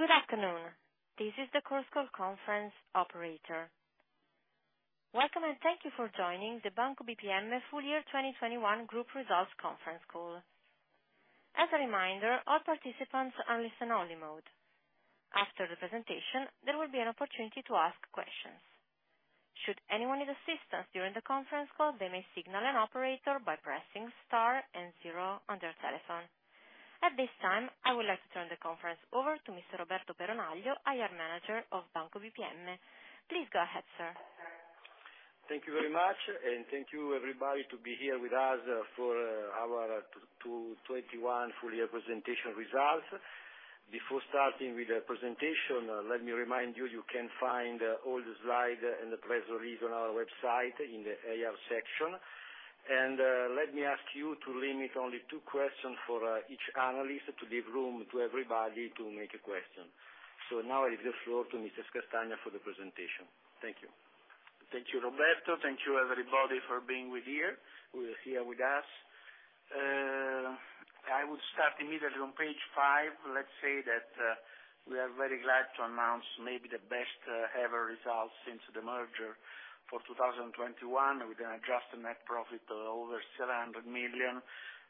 Good afternoon. This is the conference call operator. Welcome and thank you for joining the Banco BPM Full Year 2021 Group Results Conference Call. As a reminder, all participants are in listen only mode. After the presentation, there will be an opportunity to ask questions. Should anyone need assistance during the conference call, they may signal an operator by pressing star and zero on their telephone. At this time, I would like to turn the conference over to Mr. Roberto Peronaglio, IR Manager of Banco BPM. Please go ahead, sir. Thank you very much, and thank you everybody to be here with us for our 2021 full year presentation results. Before starting with the presentation, let me remind you can find all the slides and the press release on our website in the AR section. Let me ask you to limit only two questions for each analyst to give room to everybody to make a question. Now I give the floor to Mr. Castagna for the presentation. Thank you. Thank you, Roberto. Thank you, everybody, for being with us. I will start immediately on page five. Let's say that we are very glad to announce maybe the best ever results since the merger for 2021, with an adjusted net profit of over 700 million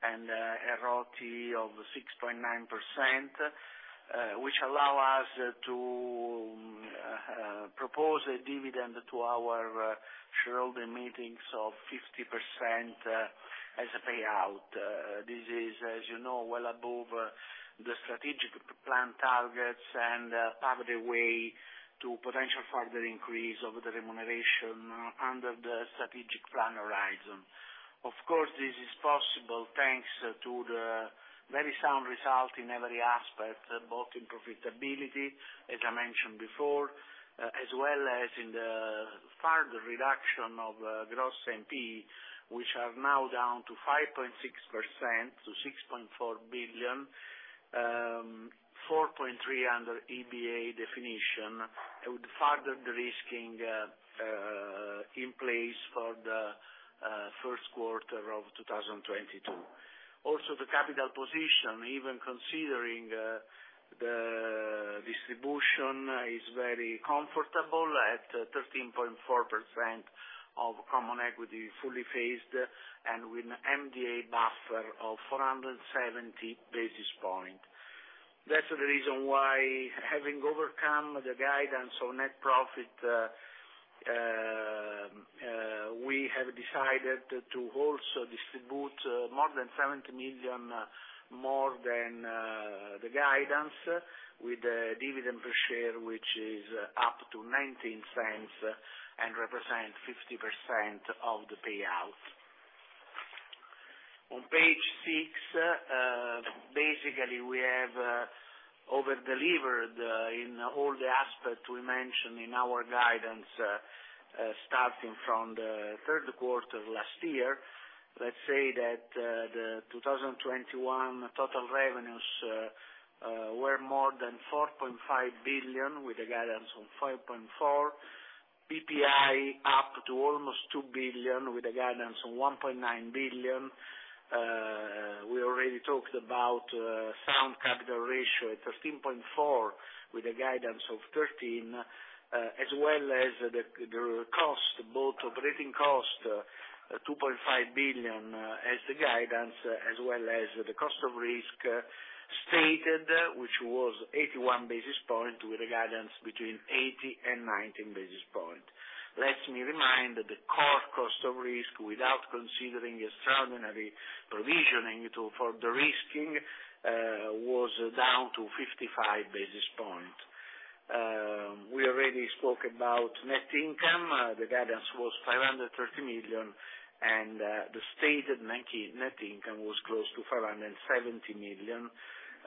and a ROTE of 6.9%, which allow us to propose a dividend to our shareholder meetings of 50% as a payout. This is, as you know, well above the strategic plan targets and pave the way to potential further increase over the remuneration under the strategic plan horizon. Of course, this is possible thanks to the very sound result in every aspect, both in profitability, as I mentioned before, as well as in the further reduction of gross NPE, which are now down to 5.6% to 6.4 billion, 4.3% under EBA definition, with further de-risking in place for the first quarter of 2022. Also, the capital position, even considering the distribution, is very comfortable at 13.4% of common equity, fully phased, and with an MDA buffer of 470 basis points. That's the reason why, having overcome the guidance of net profit, we have decided to also distribute more than 70 million more than the guidance with the dividend per share, which is up to 0.19 and represent 50% of the payout. On page six, basically, we have over-delivered in all the aspects we mentioned in our guidance, starting from the third quarter of last year. Let's say that, the 2021 total revenues were more than 5.4 billion, with the guidance on 4.5 billion. NII up to almost 2 billion, with the guidance on 1.9 billion. We already talked about sound capital ratio at 13.4, with the guidance of 13, as well as the cost, both operating cost, 2.5 billion as the guidance, as well as the cost of risk stated, which was 81 basis points, with a guidance between 80 and 90 basis points. Let me remind the core cost of risk without considering extraordinary provisioning to further de-risking was down to 55 basis points. We already spoke about net income. The guidance was 530 million, and the stated net income was close to 470 million,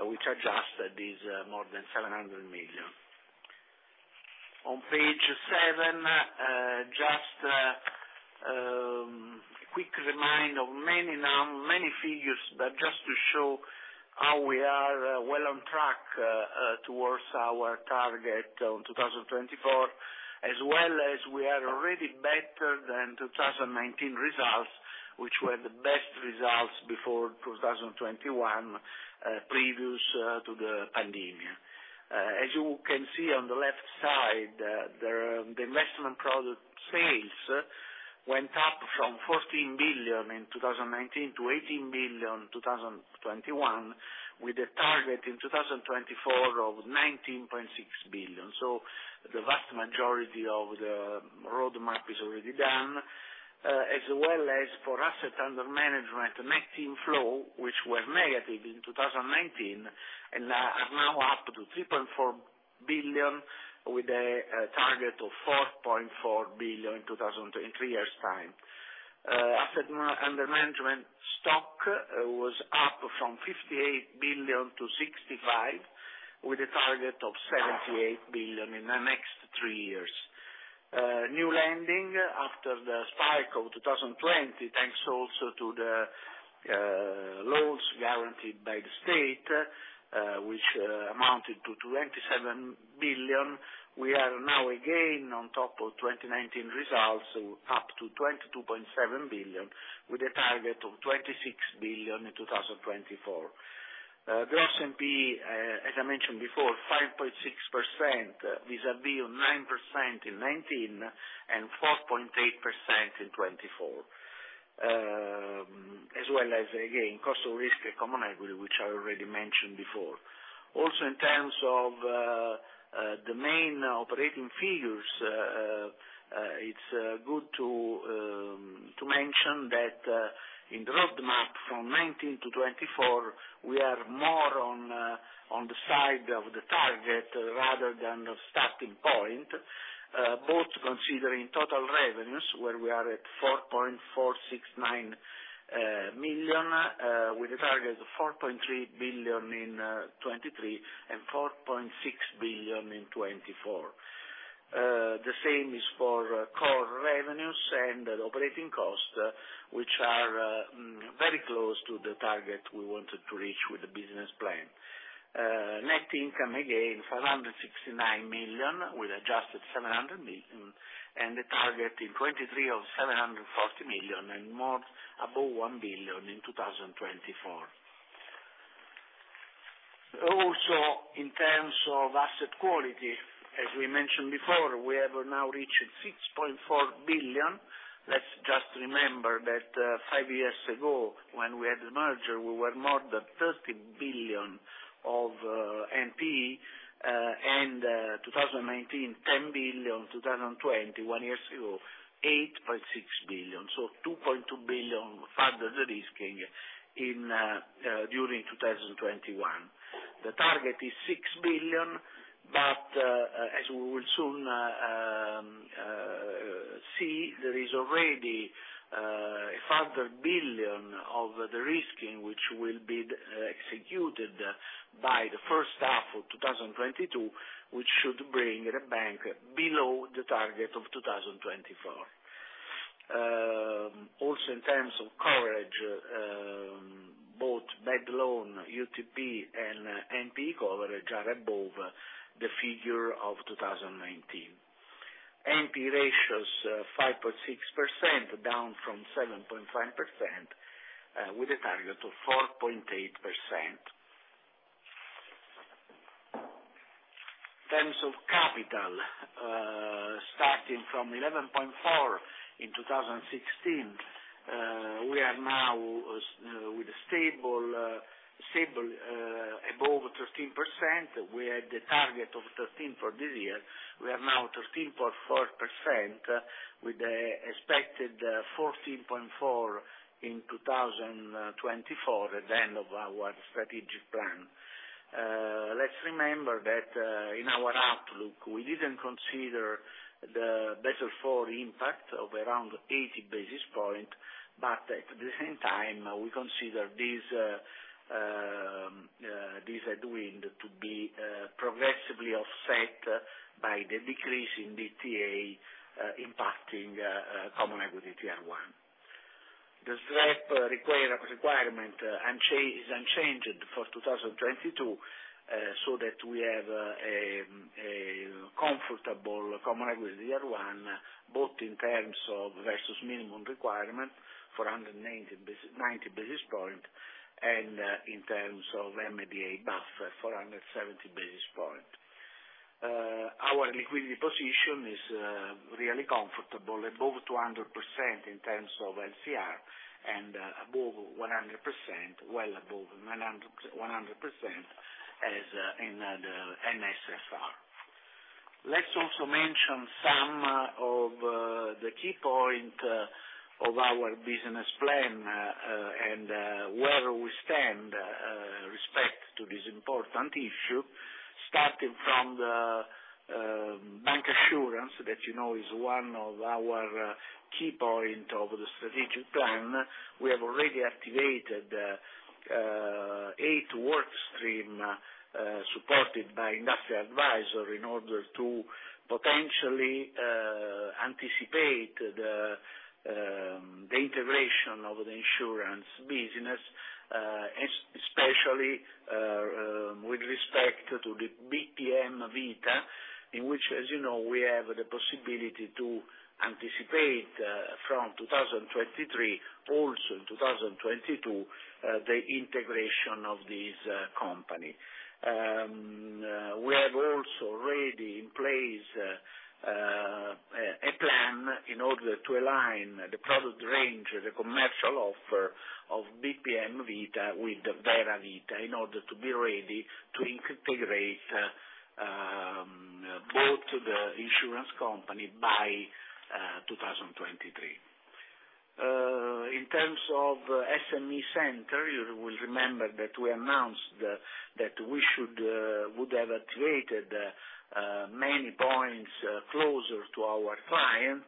which adjusted is more than 700 million. On page seven, just a quick reminder of many figures, but just to show how we are well on track towards our target on 2024, as well as we are already better than 2019 results, which were the best results before 2021, previous to the pandemic. As you can see on the left side, the investment product sales went up from 14 billion in 2019 to 18 billion in 2021, with a target in 2024 of 19.6 billion. The vast majority of the roadmap is already done, as well as for asset under management net inflow, which were negative in 2019 and are now up to 3.4 billion with a target of 4.4 billion 2023 years time. Asset under management stock was up from 58 billion-65 billion, with a target of 78 billion in the next three years. New lending after the spike of 2020, thanks also to the loans guaranteed by the state, which amounted to 27 billion. We are now again on top of 2019 results, so up to 22.7 billion, with a target of 26 billion in 2024. The NPE, as I mentioned before, 5.6% vis-a-vis 9% in 2019, and 4.8% in 2024. As well as again, cost of risk and common equity, which I already mentioned before. Also in terms of the main operating figures, it's good to mention that, in the roadmap from 2019 to 2024, we are more on the side of the target rather than the starting point, both considering total revenues where we are at 4.469 billion, with a target of 4.3 billion in 2023, and 4.6 billion in 2024. The same is for core revenues and operating costs, which are very close to the target we wanted to reach with the business plan. Net income, again, 569 million with adjusted 700 million, and the target in 2023 of 740 million and more above 1 billion in 2024. Also, in terms of asset quality, as we mentioned before, we have now reached 6.4 billion. Let's just remember that five years ago when we had the merger, we were more than 30 billion of NPE, and 2019, 10 billion, 2020, one year ago, 8.6 billion, so 2.2 billion further de-risking during 2021. The target is 6 billion, but as we will soon see, there is already a further 1 billion of the de-risking which will be executed by the first half of 2022, which should bring the bank below the target of 2024. Also, in terms of coverage, both bad loan, UTP, and NPE coverage are above the figure of 2019. NPE ratios, 5.6% down from 7.5%, with a target of 4.8%. In terms of capital, starting from 11.4 in 2016, we are now with a stable above 13%. We had the target of 13% for this year. We are now 13.4% with an expected 14.4% in 2024 at the end of our strategic plan. Let's remember that in our outlook, we didn't consider the Basel IV impact of around 80 basis points, but at the same time, we consider this headwind to be progressively offset by the decrease in DTA impacting common equity Tier 1. The SREP requirement is unchanged for 2022, so that we have a comfortable common equity Tier 1, both in terms of versus minimum requirement, 490 basis points, and in terms of MDA buffer, 470 basis points. Our liquidity position is really comfortable, above 200% in terms of LCR and above 100%, well above 100% as in the NSFR. Let's also mention some of the key point of our business plan and where we stand respect to this important issue, starting from the bancassurance that, you know, is one of our key point of the strategic plan. We have already activated eight work stream supported by industry advisor in order to potentially anticipate the integration of the insurance business, especially with respect to the Banco BPM Vita, in which, as you know, we have the possibility to anticipate from 2023, also in 2022, the integration of this company. We have also already in place a plan in order to align the product range, the commercial offer of BPM Vita with Vera Vita in order to be ready to integrate both the insurance company by 2023. In terms of SME center, you will remember that we announced that we would have activated many points closer to our client,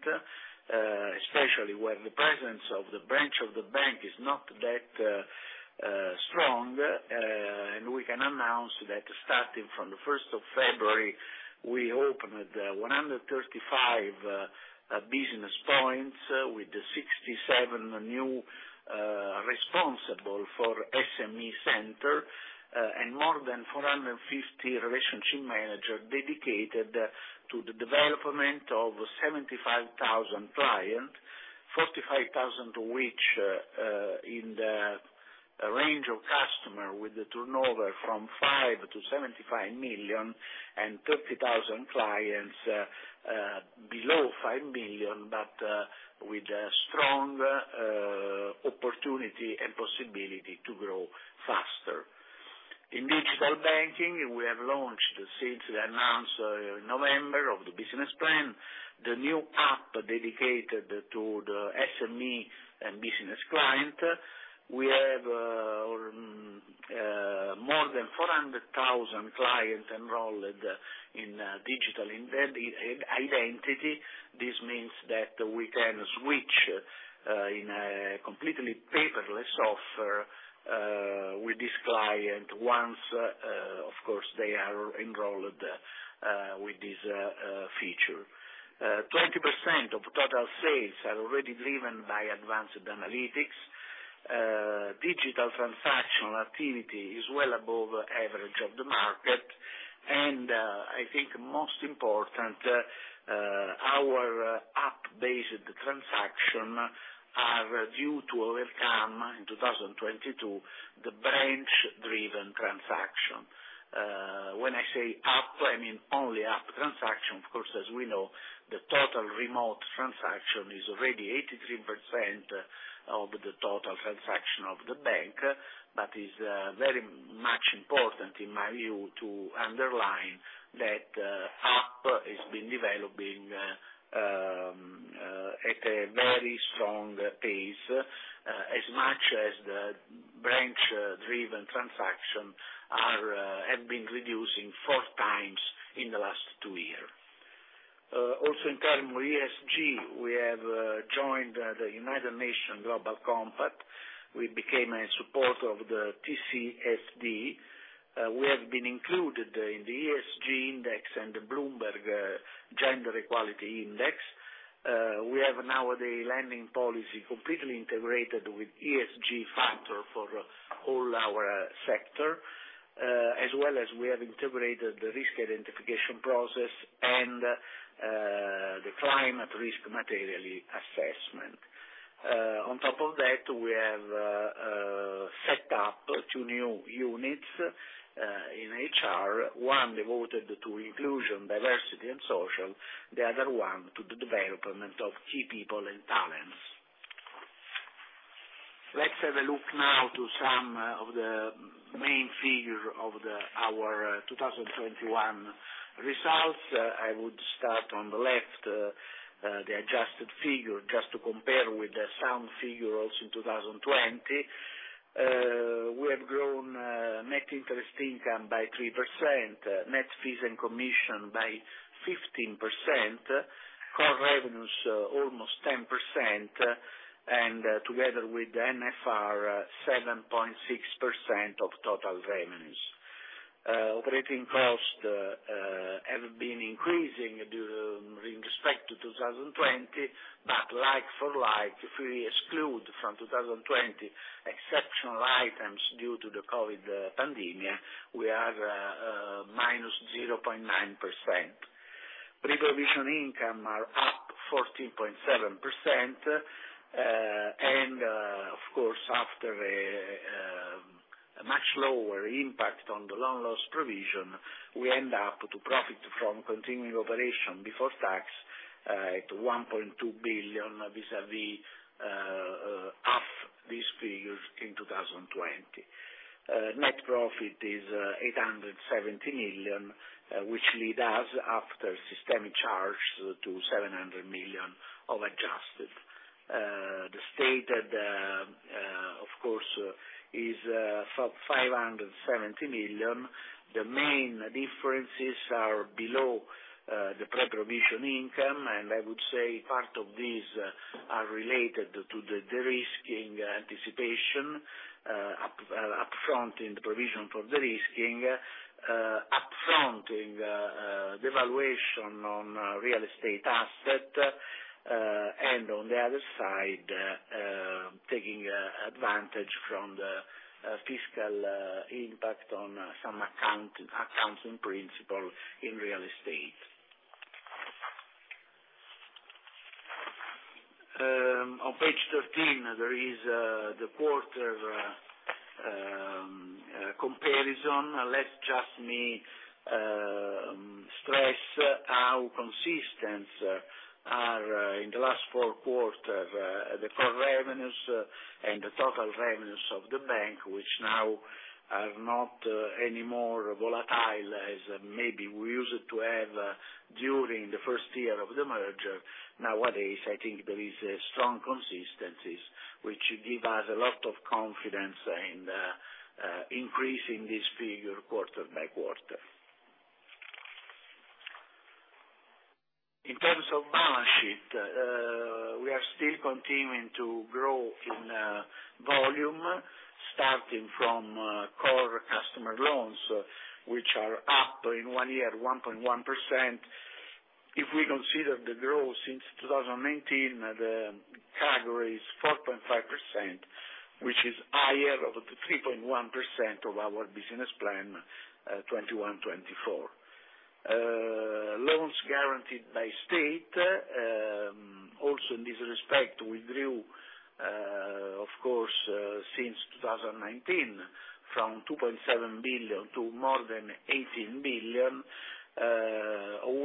especially where the presence of the branch of the bank is not that strong. We can announce that starting from the 1st of February, we opened 135 business points with 67 new responsibles for SME centers, and more than 450 relationship managers dedicated to the development of 75,000 clients. 45,000 which in the range of customers with the turnover from 5 million-75 million and 30,000 clients below 5 million, but with a strong opportunity and possibility to grow faster. In digital banking, we have launched since announced November of the business plan, the new app dedicated to the SME and business clients. We have more than 400,000 clients enrolled in digital identity. This means that we can switch in a completely paperless offer with this client once, of course, they are enrolled with this feature. 20% of total sales are already driven by advanced analytics. Digital transactional activity is well above average of the market. I think most important, our app-based transactions are due to overcome in 2022 the branch-driven transactions. When I say app, I mean only app transactions. Of course, as we know, the total remote transactions are already 83% of the total transactions of the bank. It is very much important in my view to underline that app has been developing at a very strong pace, as much as the branch-driven transactions have been reducing 4x in the last two years. Also in terms of ESG, we have joined the United Nations Global Compact. We became a supporter of the TCFD. We have been included in the ESG Index and the Bloomberg Gender-Equality Index. We have now the lending policy completely integrated with ESG factor for all our sector, as well as we have integrated the risk identification process and the climate risk materiality assessment. On top of that, we have set up two new units in HR, one devoted to inclusion, diversity, and social, the other one to the development of key people and talents. Let's have a look now to some of the main figures of our 2021 results. I would start on the left, the adjusted figures, just to compare with the same figures also in 2020. We have grown net interest income by 3%, net fees and commission by 15%, core revenues almost 10%, and together with NFR, 7.6% of total revenues. Operating costs have been increasing due in respect to 2020, but like for like, if we exclude from 2020 exceptional items due to the COVID pandemic, we are -0.9%. Pre-provision income are up 14.7%. Of course, after a much lower impact on the loan loss provision, we end up to profit from continuing operation before tax at 1.2 billion vis-a-vis half these figures in 2020. Net profit is 870 million, which lead us after systemic charge to 700 million of adjusted. The stated, of course, is 570 million. The main differences are below the pre-provision income, and I would say part of these are related to the de-risking anticipation, upfront in the provision for de-risking, upfront in the valuation on real estate asset, and on the other side, taking advantage from the fiscal impact on some accounting principle in real estate. On page 13, there is the quarter comparison. Let me just stress how consistent are in the last four quarter the core revenues and the total revenues of the bank, which now are not anymore volatile as maybe we used to have during the first year of the merger. Nowadays, I think there is a strong consistencies, which give us a lot of confidence in increasing this figure quarter by quarter. In terms of balance sheet, we are still continuing to grow in volume, starting from core customer loans, which are up in one year, 1.1%. If we consider the growth since 2019, the category is 4.5%, which is higher of the 3.1% of our business plan 2021-2024. Loans guaranteed by state, also in this respect, we grew, of course, since 2019 from 2.7 billion to more than 18 billion,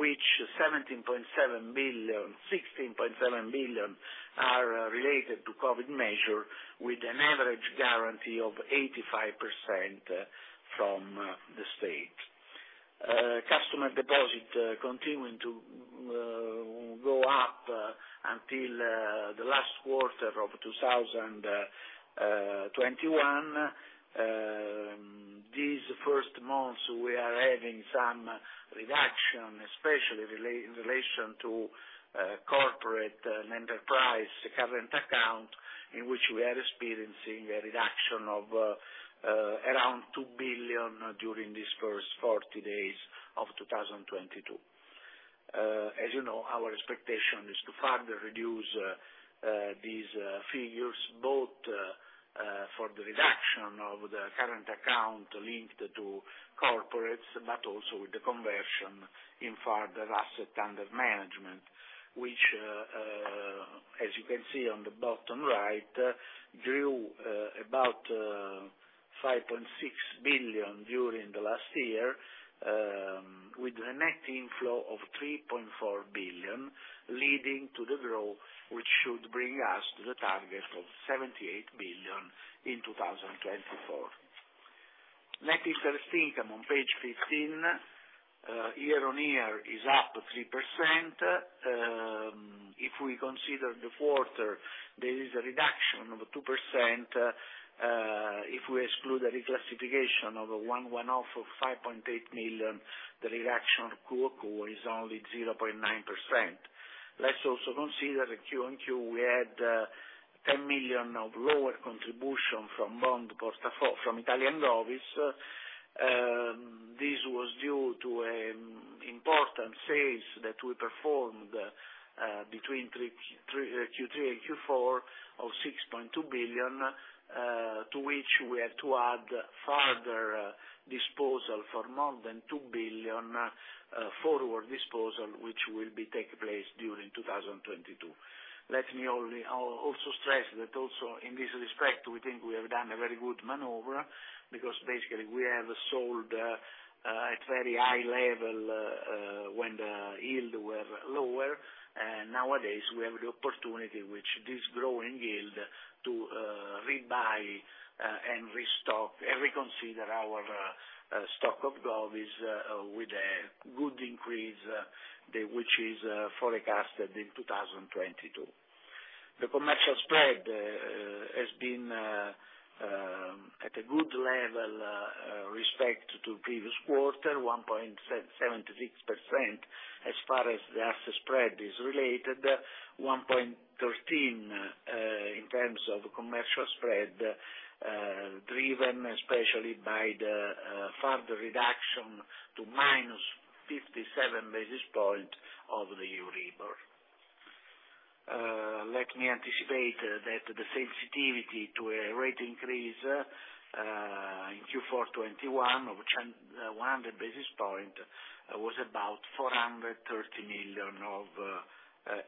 which 17.7 billion, 16.7 billion are related to COVID measures with an average guarantee of 85% from the state. Customer deposit continuing to go up until the last quarter of 2021. These first months, we are having some reduction, especially in relation to corporate and enterprise current account in which we are experiencing a reduction of around 2 billion during these first 40 days of 2022. As you know, our expectation is to further reduce these figures both for the reduction of the current account linked to corporates but also with the conversion into further assets under management, which, as you can see on the bottom right, grew about 5.6 billion during the last year, with a net inflow of 3.4 billion leading to the growth which should bring us to the target of 78 billion in 2024. Net interest income on page 15, year-on-year is up 3%. If we consider the quarter, there is a reduction of 2%, if we exclude the reclassification of a one-off of 5.8 million, the reduction quarter-on-quarter is only 0.9%. Let's also consider the quarter and quarter. We had 10 million of lower contribution from Italian govies. This was due to important sales that we performed between Q3 and Q4 of 6.2 billion, to which we had to add further disposal for more than 2 billion forward disposal, which will take place during 2022. Let me also stress that in this respect, we think we have done a very good maneuver because basically we have sold at very high level when the yields were lower. Nowadays we have the opportunity with this growing yield to rebuy and restock and reconsider our stock of govies with a good increase which is forecasted in 2022. The commercial spread has been at a good level with respect to previous quarter, 1.76% as far as the asset spread is related, 1.13%, in terms of commercial spread, driven especially by the further reduction to -57 basis points of the Euribor. Let me anticipate that the sensitivity to a rate increase in Q4 2021 of 100 basis points was about 430 million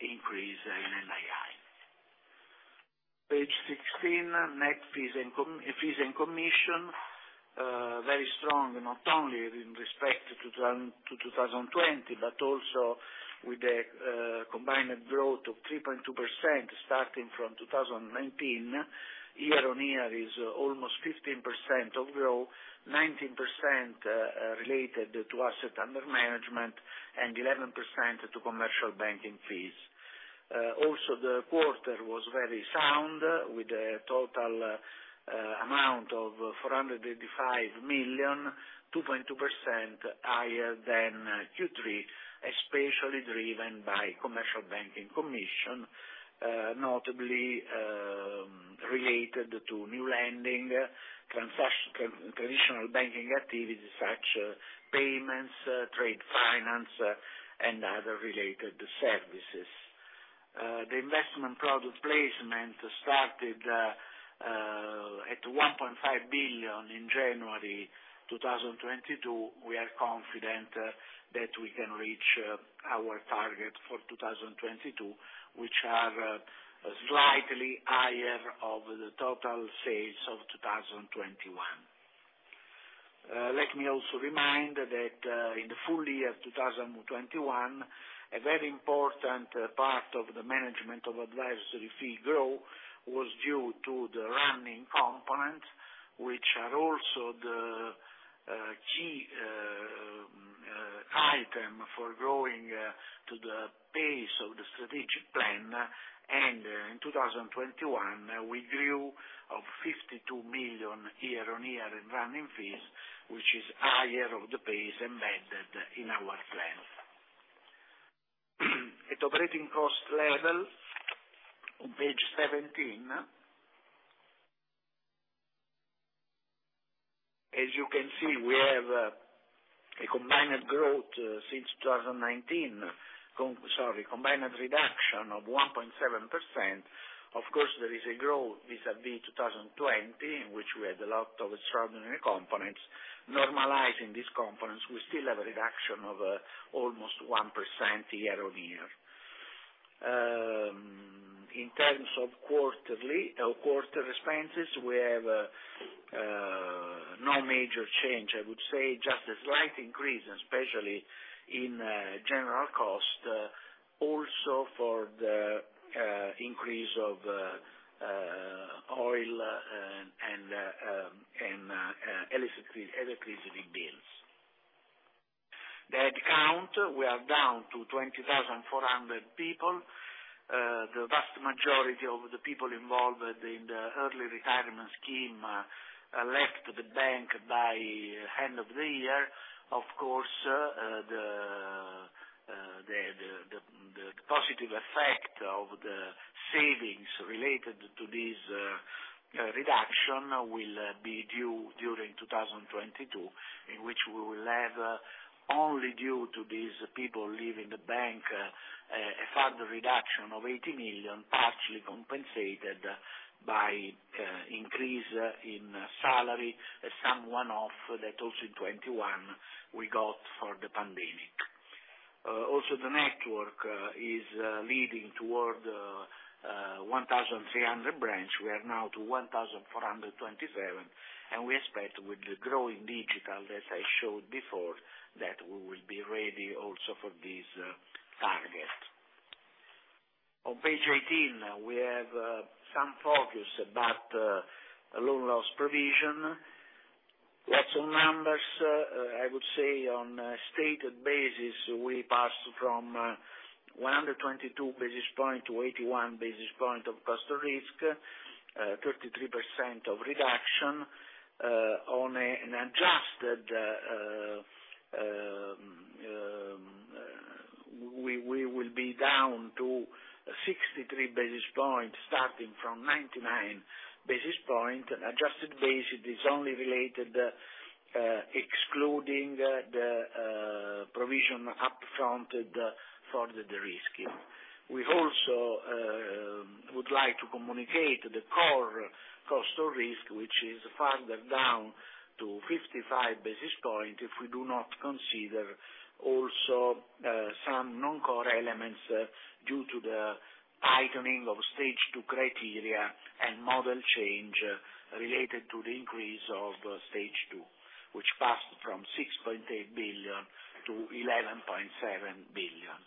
increase in NII. Page 16, net fees and commissions very strong, not only with respect to 2020, but also with a combined growth of 3.2% starting from 2019. Year-on-year is almost 15% of growth, 19% related to asset under management, and 11% to commercial banking fees. Also the quarter was very sound with a total amount of 485 million, 2.2% higher than Q3, especially driven by commercial banking commission, notably related to new lending, traditional banking activities, such payments, trade finance, and other related services. The investment product placement started at 1.5 billion in January 2022. We are confident that we can reach our target for 2022, which are slightly higher of the total sales of 2021. Let me also remind that in the full year of 2021, a very important part of the management of advisory fee growth was due to the running components, which are also the key item for growing to the pace of the strategic plan. In 2021, we grew of 52 million year-on-year in running fees, which is higher of the pace embedded in our plan. At operating cost level, on page 17, as you can see, we have a combined reduction of 1.7% since 2019. Of course, there is a growth vis-a-vis 2020, in which we had a lot of extraordinary components. Normalizing these components, we still have a reduction of almost 1% YoY. In terms of quarterly or quarter expenses, we have no major change. I would say just a slight increase, especially in general cost, also for the increase of oil and electricity bills. The head count, we are down to 20,400 people. The vast majority of the people involved in the early retirement scheme left the bank by end of the year. Of course, the positive effect of the savings related to this reduction will be due during 2022, in which we will have only due to these people leaving the bank a further reduction of 80 million, partially compensated by increase in salary. Some one-off that also in 2021 we got for the pandemic. Also the network is leading toward 1,300 branches. We are now at 1,427, and we expect with the growing digital, as I showed before, that we will be ready also for this target. On page 18, we have some focus about loan loss provision. Lots of numbers, I would say on a stated basis, we pass from 122 basis points-81 basis points of cost of risk, 33% reduction, on an adjusted, we will be down to 63 basis points starting from 99 basis points. Adjusted basis is only related, excluding the provision upfront for the de-risking. We also would like to communicate the core cost of risk, which is further down to 55 basis points if we do not consider also some non-core elements due to the tightening of stage two criteria and model change related to the increase of stage two, which passed from 6.8 billion-11.7 billion.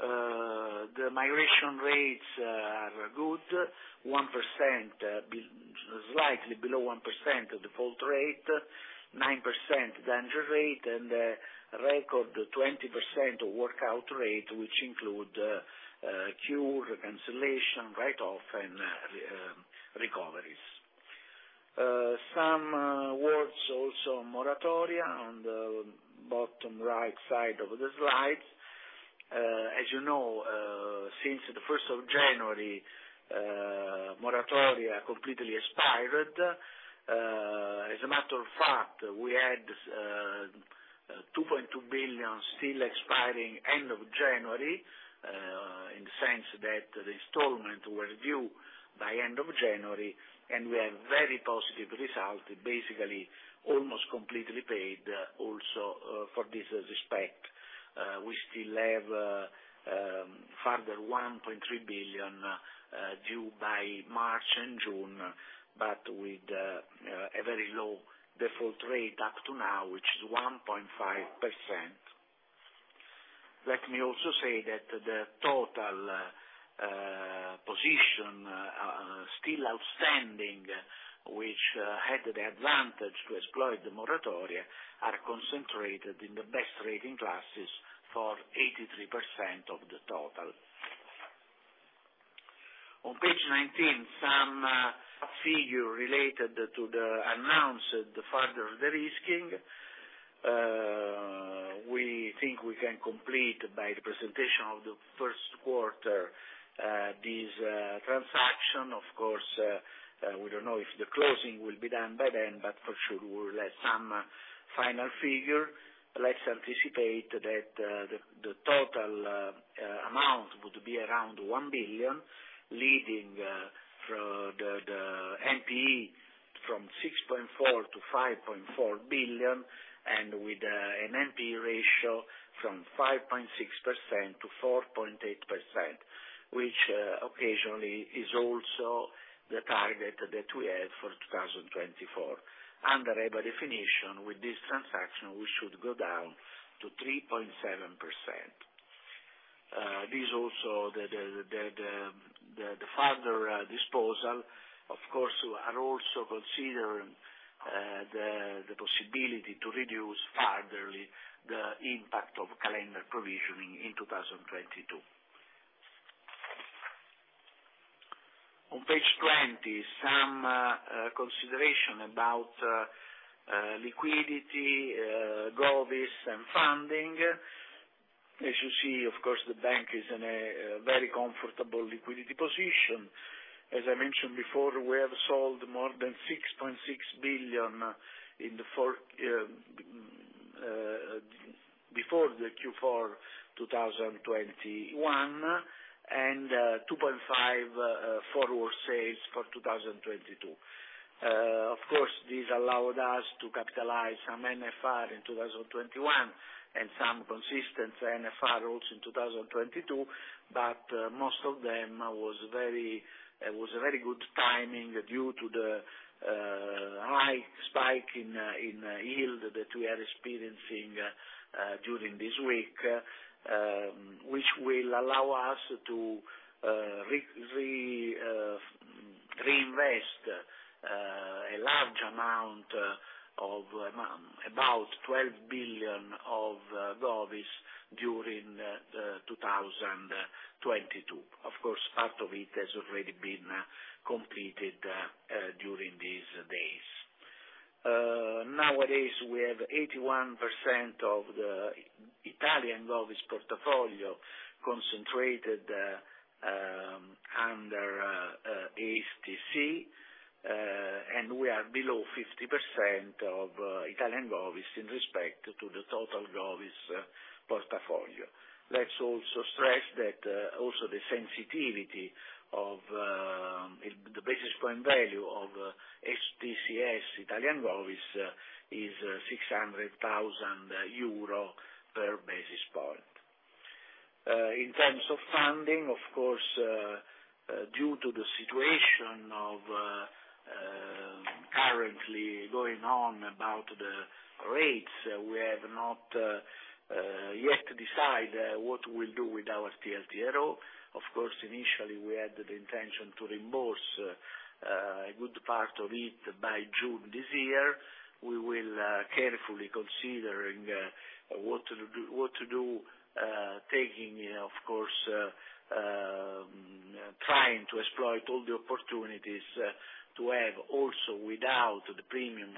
The migration rates are good. 1%, slightly below 1% default rate, 9% delinquency rate, and a record 20% workout rate, which include cure cancellation, write off, and recoveries. Some words also on moratoria on the bottom right side of the slide. As you know, since the first of January, moratoria completely expired. As a matter of fact, we had 2.2 billion still expiring end of January, in the sense that the installments were due by end of January, and we have very positive results, basically almost completely paid also, for this respect. We still have further 1.3 billion, due by March and June, but with a very low default rate up to now, which is 1.5%. Let me also say that the total position still outstanding, which had the advantage to exploit the moratoria, are concentrated in the best rating classes for 83% of the total. On page 19, some figures related to the announced further de-risking. We think we can complete by the presentation of the first quarter, this transaction. Of course, we don't know if the closing will be done by then, but for sure we will have some final figure. Let's anticipate that the total amount would be around 1 billion, leading for the NPE from 6.4 billion-5.4 billion, and with an NPE ratio from 5.6%-4.8%, which occasionally is also the target that we had for 2024. Under EBA definition, with this transaction, we should go down to 3.7%. This also the further disposal, of course, are also considering the possibility to reduce furtherly the impact of calendar provisioning in 2022. On page 20, some consideration about liquidity, govies, and funding. As you see, of course, the bank is in a very comfortable liquidity position. As I mentioned before, we have sold more than 6.6 billion in the four quarters before the Q4 2021, and 2.5 billion forward sales for 2022. Of course, this allowed us to capitalize some NFR in 2021, and some consistent NFR also in 2022. Most of them was very good timing due to the high spike in yield that we are experiencing during this week. Which will allow us to reinvest a large amount of about 12 billion of govies during 2022. Of course, part of it has already been completed during these days. Nowadays, we have 81% of the Italian govies portfolio concentrated under AFS, and we are below 50% of Italian govies in respect to the total govies portfolio. Let's also stress that the sensitivity of the basis point value of HTCS Italian govies is 600,000 euro per basis point. In terms of funding, of course, due to the situation currently going on about the rates, we have not yet decided what we'll do with our TLTRO. Of course, initially, we had the intention to reimburse a good part of it by June this year. We will carefully consider what to do, taking, you know, of course, trying to exploit all the opportunities to have also without the premium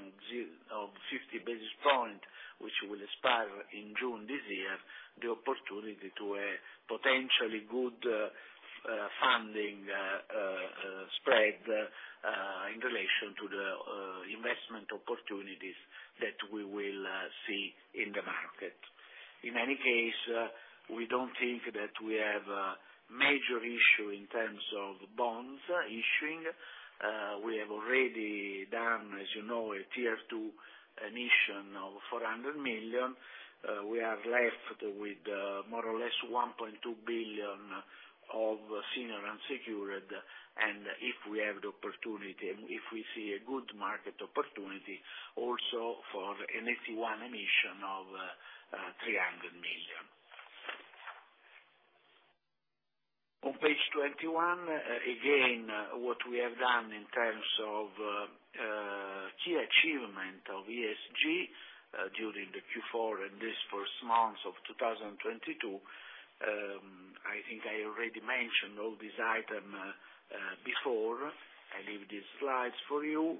of 50 basis points, which will expire in June this year, the opportunity to a potentially good funding spread in relation to the investment opportunities that we will see in the market. In any case, we don't think that we have a major issue in terms of bonds issuing. We have already done, as you know, a Tier 2 issuance of 400 million. We are left with more or less 1.2 billion of senior unsecured. If we have the opportunity, if we see a good market opportunity also for an AT1 issuance of 300 million. On page 21, again, what we have done in terms of key achievement of ESG during the Q4 and these first months of 2022, I think I already mentioned all this item before. I leave these slides for you.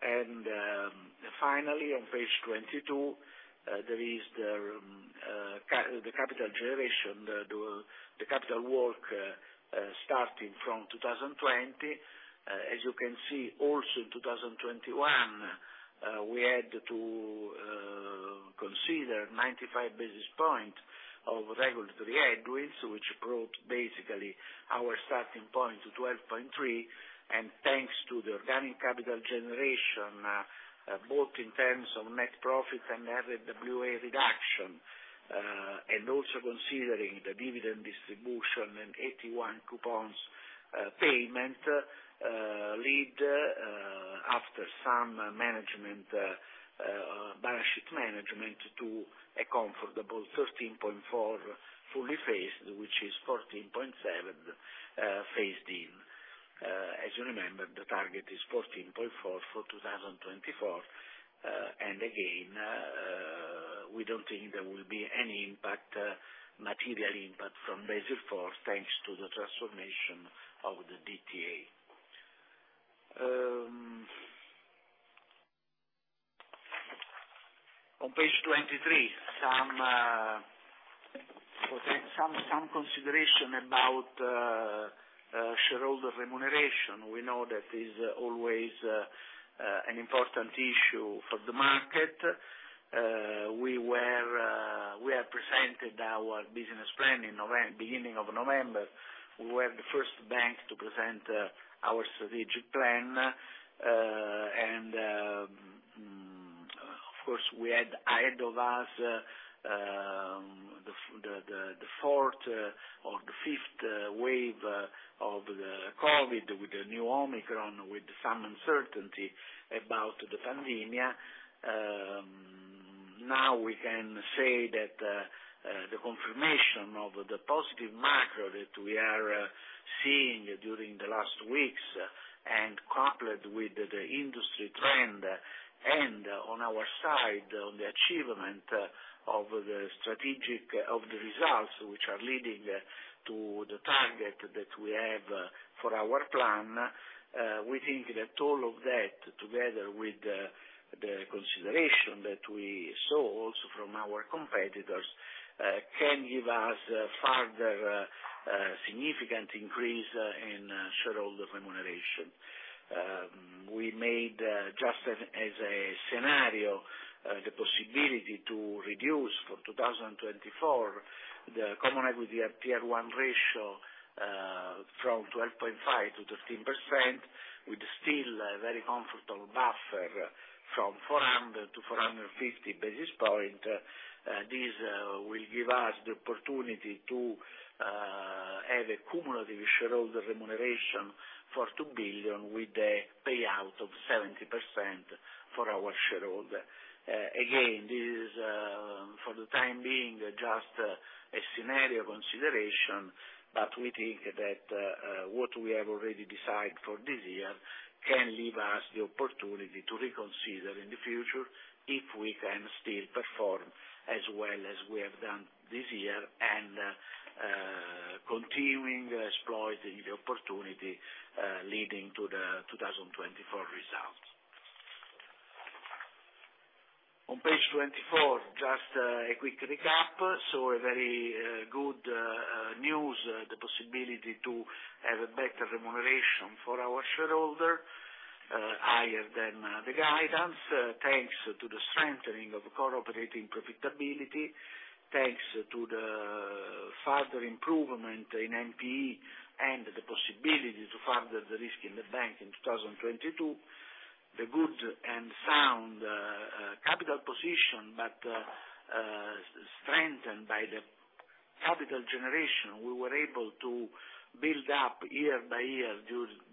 Finally on page 22, there is the capital generation, the capital walk starting from 2020. As you can see also in 2021, we had to consider 95 basis points of regulatory headwinds, which brought basically our starting point to 12.3. Thanks to the organic capital generation, both in terms of net profit and RWA reduction, and also considering the dividend distribution and AT1 coupons payment led, after some balance sheet management, to a comfortable 13.4 fully phased, which is 14.7 phased in. As you remember, the target is 14.4 for 2024. Again, we don't think there will be any material impact from Basel IV, thanks to the transformation of the DTA. On page 23, some consideration about shareholder remuneration. We know that is always an important issue for the market. We have presented our business plan beginning of November. We're the first bank to present our strategic plan. Of course, we had ahead of us the fourth or the fifth wave of the COVID with the new Omicron, with some uncertainty about the pandemic. Now we can say that the confirmation of the positive macro that we are seeing during the last weeks and coupled with the industry trend and on our side, on the achievement of the strategic results which are leading to the target that we have for our plan, we think that all of that together with the consideration that we saw also from our competitors can give us further significant increase in shareholder remuneration. We made just as a scenario the possibility to reduce for 2024, the Common Equity Tier 1 ratio from 12.5%-13%, with still a very comfortable buffer from 400 basis points-450 basis points. This will give us the opportunity to have a cumulative shareholder remuneration for 2 billion with a payout of 70% for our shareholder. Again, this is, for the time being, just a scenario consideration, but we think that what we have already decide for this year can leave us the opportunity to reconsider in the future if we can still perform as well as we have done this year, and continuing exploiting the opportunity leading to the 2024 results. On page 24, just a quick recap. Very good news, the possibility to have a better remuneration for our shareholder, higher than the guidance, thanks to the strengthening of core operating profitability. Thanks to the further improvement in NPE and the possibility to further de-risk in the bank in 2022. The good and sound capital position, but strengthened by the capital generation, we were able to build up year by year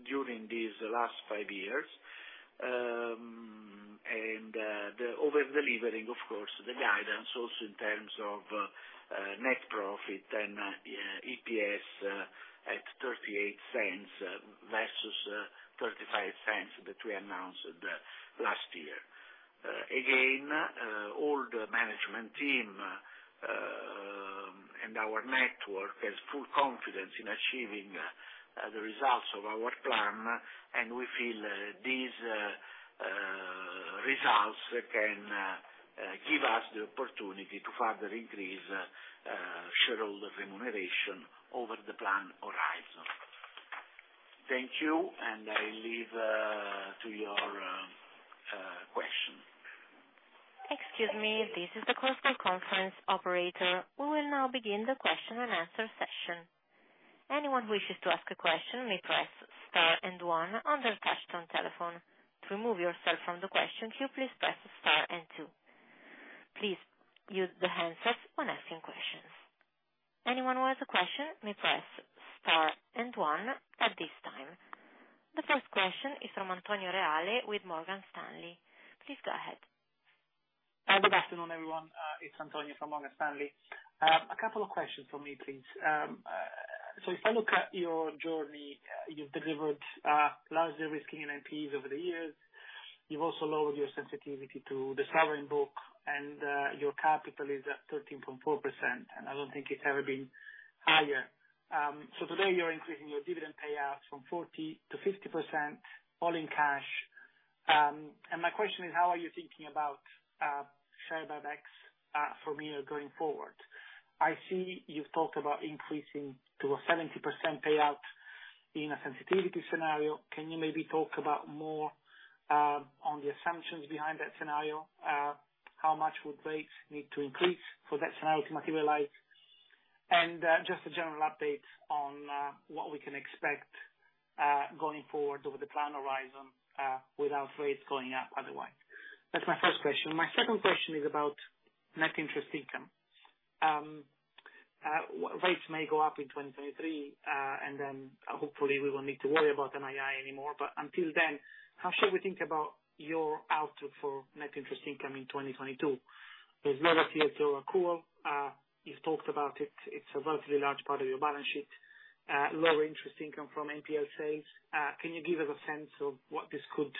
during these last five years. The over-delivering, of course, the guidance also in terms of net profit and EPS at 0.38 versus 0.35 that we announced last year. Again, all the management team and our network has full confidence in achieving the results of our plan, and we feel these results can give us the opportunity to further increase shareholder remuneration over the plan horizon. Thank you, and I leave to your question. Excuse me. This is the close for conference operator. We will now begin the question and answer session. Anyone who wishes to ask a question may press star and one on their touchtone telephone. To remove yourself from the question queue, please press star and two. Please use the handsets when asking questions. Anyone who has a question may press star and one at this time. The first question is from Antonio Reale with Morgan Stanley. Please go ahead. Good afternoon, everyone. It's Antonio from Morgan Stanley. A couple of questions from me, please. If I look at your journey, you've delivered large de-risking in NPEs over the years. You've also lowered your sensitivity to the sovereign book, and your capital is at 13.4%, and I don't think it's ever been higher. Today, you're increasing your dividend payouts from 40%-50%, all in cash. My question is how are you thinking about share buybacks from here going forward? I see you've talked about increasing to a 70% payout in a sensitivity scenario. Can you maybe talk about more on the assumptions behind that scenario? How much would rates need to increase for that scenario to materialize? Just a general update on what we can expect going forward over the plan horizon without rates going up otherwise. That's my first question. My second question is about net interest income. With rates may go up in 2023, and then hopefully we won't need to worry about NII anymore. But until then, how should we think about your outlook for net interest income in 2022? There's lower TLTRO accrual, you've talked about it. It's a relatively large part of your balance sheet. Lower interest income from NPL sales. Can you give us a sense of what this could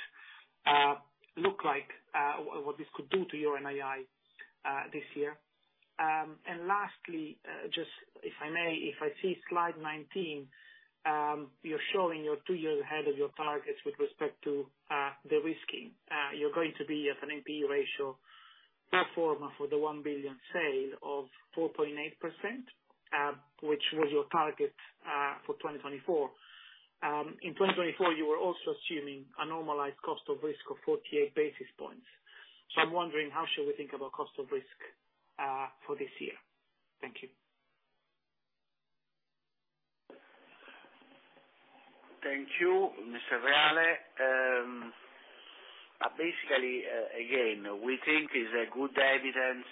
look like, or what this could do to your NII, this year? Lastly, just if I may, if I see slide 19, you're showing two years ahead of your targets with respect to de-risking. You're going to be at an NPE ratio of 4.8% for the 1 billion sale, which was your target for 2024. In 2024, you were also assuming a normalized cost of risk of 48 basis points. I'm wondering how should we think about cost of risk for this year? Thank you. Thank you, Mr. Reale. Basically, again, we think it's a good evidence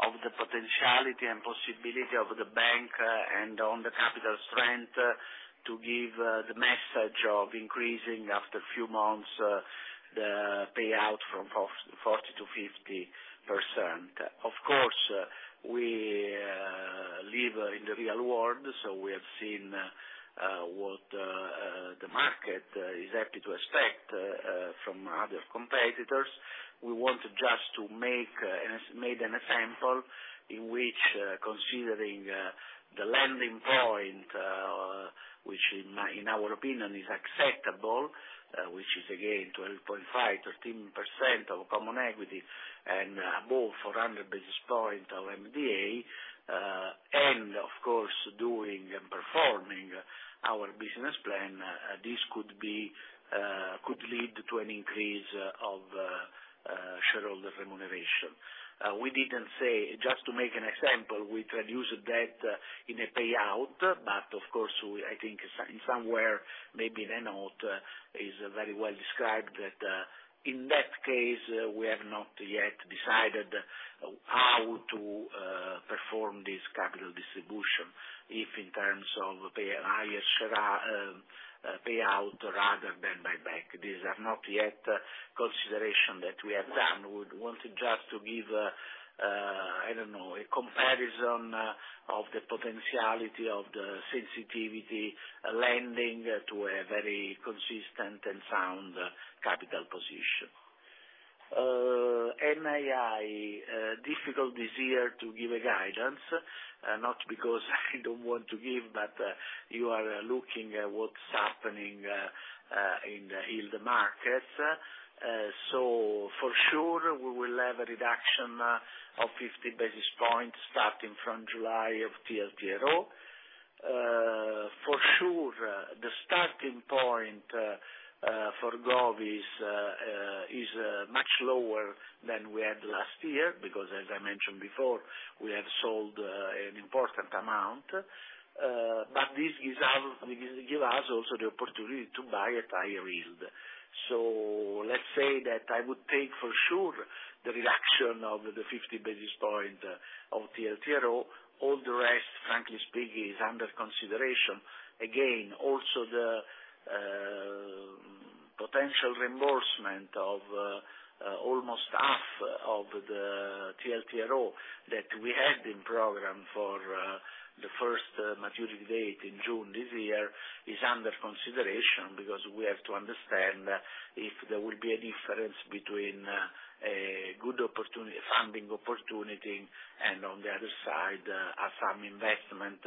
of the potentiality and possibility of the bank and on the capital strength to give the message of increasing after few months the payout from 40%-50%. Of course, we live in the real world, so we have seen what the market is happy to expect from other competitors. We want just to make an example in which considering the lending point which in our opinion is acceptable, which is again 12.5%-13% of common equity and above 400 basis points of MDA, and of course, doing and performing our business plan, this could lead to an increase of shareholder remuneration. We didn't say... Just to make an example, we introduce debt in a payout, but of course, I think somewhere, maybe the note is very well described that, in that case, we have not yet decided how to perform this capital distribution, if in terms of pay higher share payout rather than buyback. These are not yet consideration that we have done. We wanted just to give, I don't know, a comparison of the potentiality of the sensitivity lending to a very consistent and sound capital position. NII, difficult this year to give a guidance, not because I don't want to give, but you are looking at what's happening in the yield markets. For sure we will have a reduction of 50 basis points starting from July of TLTRO. For sure, the starting point for govies is much lower than we had last year because, as I mentioned before, we have sold an important amount, but this give us also the opportunity to buy at higher yield. Let's say that I would take for sure the reduction of the 50 basis points of TLTRO. All the rest, frankly speaking, is under consideration. Again, also the potential reimbursement of almost half of the TLTRO that we had in program for the first maturity date in June this year is under consideration because we have to understand if there will be a difference between a good opportunity, funding opportunity, and on the other side, some investment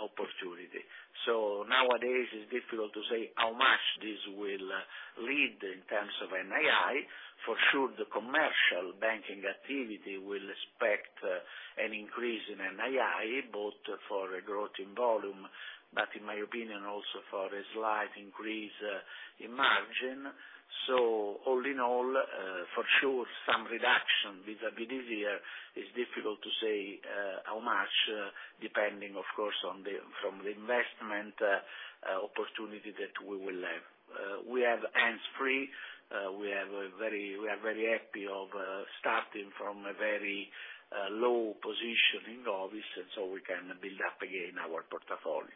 opportunity. Nowadays it's difficult to say how much this will lead in terms of NII. For sure the commercial banking activity will expect an increase in NII, both for a growth in volume, but in my opinion, also for a slight increase in margin. All in all, for sure some reduction vis-a-vis this year is difficult to say how much, depending, of course, on the investment opportunity that we will have. We have hands free. We have a very low position in govies, and we can build up again our portfolio.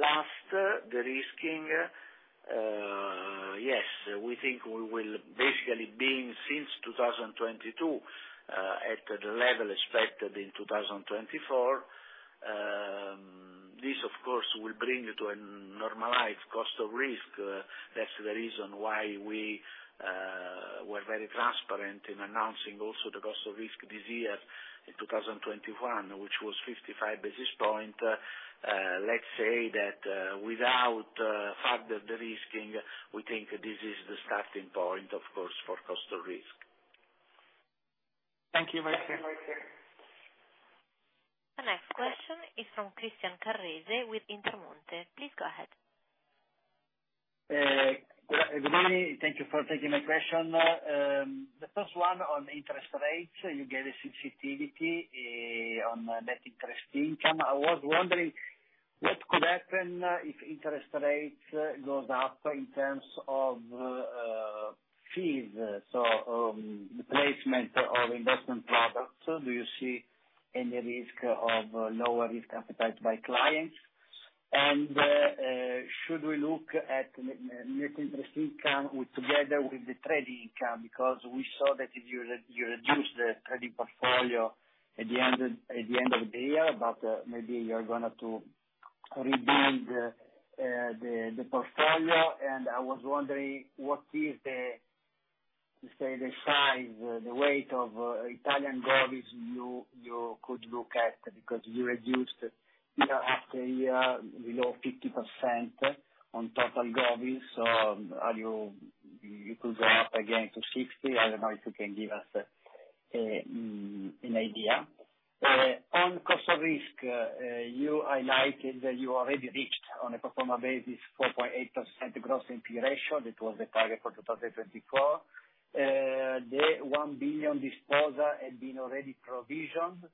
Last, the de-risking. Yes, we think we will basically be in since 2022 at the level expected in 2024. This of course will bring to a normalized cost of risk. That's the reason why we were very transparent in announcing also the cost of risk this year in 2021, which was 55 basis points. Let's say that without further de-risking, we think this is the starting point, of course, for cost of risk. Thank you, sir. The next question is from Christian Carrese with Intermonte. Please go ahead. Good morning. Thank you for taking my question. The first one on interest rates. You gave a sensitivity on net interest income. I was wondering what could happen if interest rates goes up in terms of fees, so the placement of investment products. Do you see any risk of lower risk appetite by clients? Should we look at net interest income together with the trading income? Because we saw that you reduced the trading portfolio at the end of the year, but maybe you're gonna rebuild the portfolio. I was wondering what is the size, the weight of Italian govies you could look at because you reduced year after year below 50% on total govies. Are you? You could go up again to 60. I don't know if you can give us an idea. On cost of risk, you highlighted that you already reached on a pro forma basis 4.8% gross NPL ratio. That was the target for 2024. The 1 billion disposal had been already provisioned,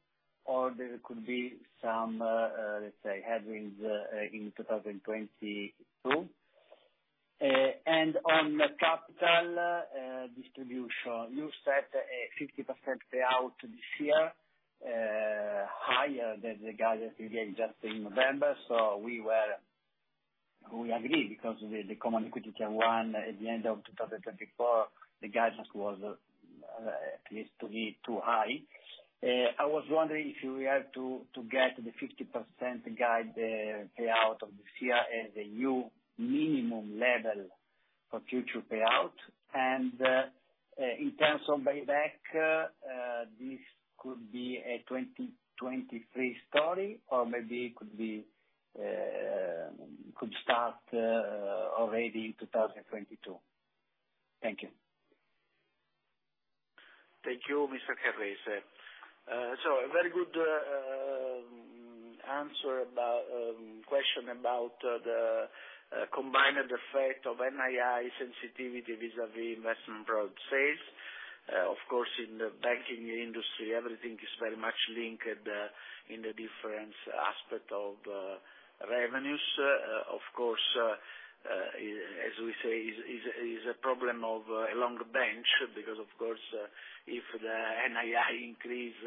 or there could be some, let's say, headwinds, in 2022. On the capital distribution, you set a 50% payout this year, higher than the guidance you gave just in November. We agree because the Common Equity Tier 1 at the end of 2024, the guidance was, at least to me, too high. I was wondering if you were to get the 50% guide payout of this year as a new minimum level for future payout. In terms of buyback, this could be a 2023 story or maybe it could be. We could start already in 2022. Thank you. Thank you, Mr. Carrese. A very good answer about the question about the combined effect of NII sensitivity vis-a-vis investment product sales. Of course, in the banking industry, everything is very much linked in the different aspect of revenues. Of course, as we say is a problem of a longer term because of course, if the NII increase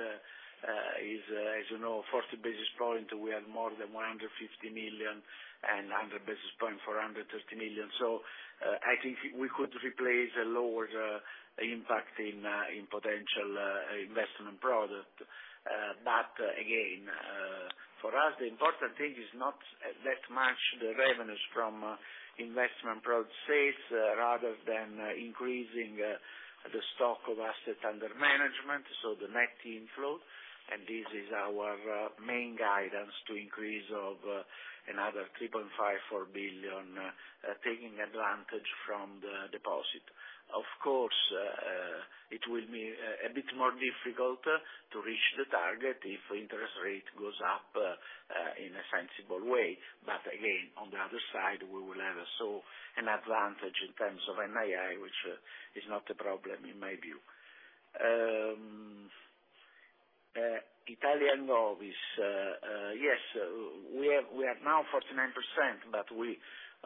is, as you know, 40 basis points, we have more than 150 million and 100 basis points, 430 million. I think we could replace a lower impact in potential investment product. Again, for us, the important thing is not that much the revenues from investment product sales rather than increasing the stock of asset under management, so the net inflow, and this is our main guidance to increase of another 3.5-4 billion, taking advantage from the deposit. Of course, it will be a bit more difficult to reach the target if interest rate goes up in a sensible way. Again, on the other side, we will have also an advantage in terms of NII, which is not a problem in my view. Italian govies, yes, we are now 49%, but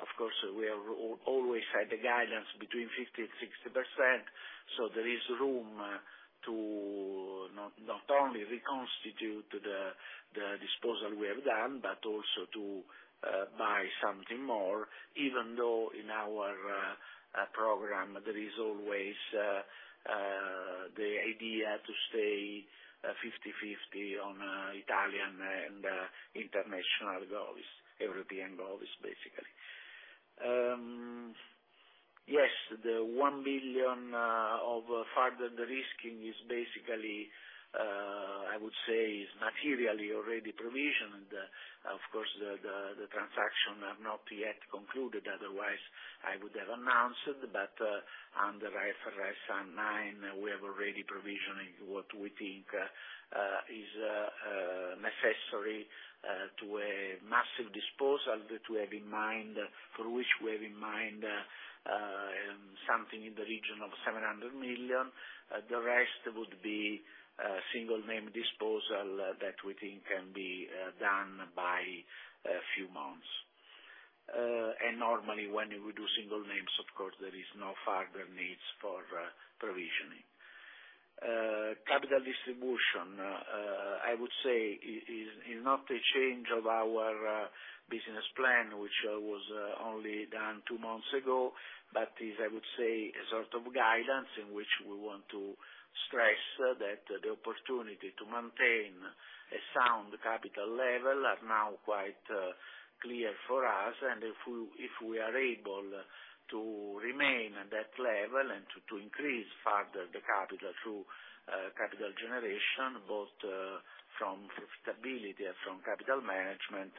of course we have always had the guidance between 50% and 60%, so there is room to not only reconstitute the disposal we have done, but also to buy something more, even though in our program, there is always the idea to stay 50/50 on Italian and international govies, European govies, basically. Yes, the 1 billion of further derisking is basically, I would say, materially already provisioned. Of course, the transaction have not yet concluded, otherwise I would have announced it. Under IFRS 9, we have already provisioned what we think is necessary for the massive disposal we have in mind, for which we have something in the region of 700 million. The rest would be single name disposal that we think can be done in a few months. Normally when we do single names, of course, there is no further need for provisioning. Capital distribution, I would say, is not a change of our business plan, which was only done two months ago, but is, I would say, a sort of guidance in which we want to stress that the opportunity to maintain a sound capital level is now quite clear for us. If we are able to remain at that level and to increase further the capital through capital generation, both from stability and from capital management,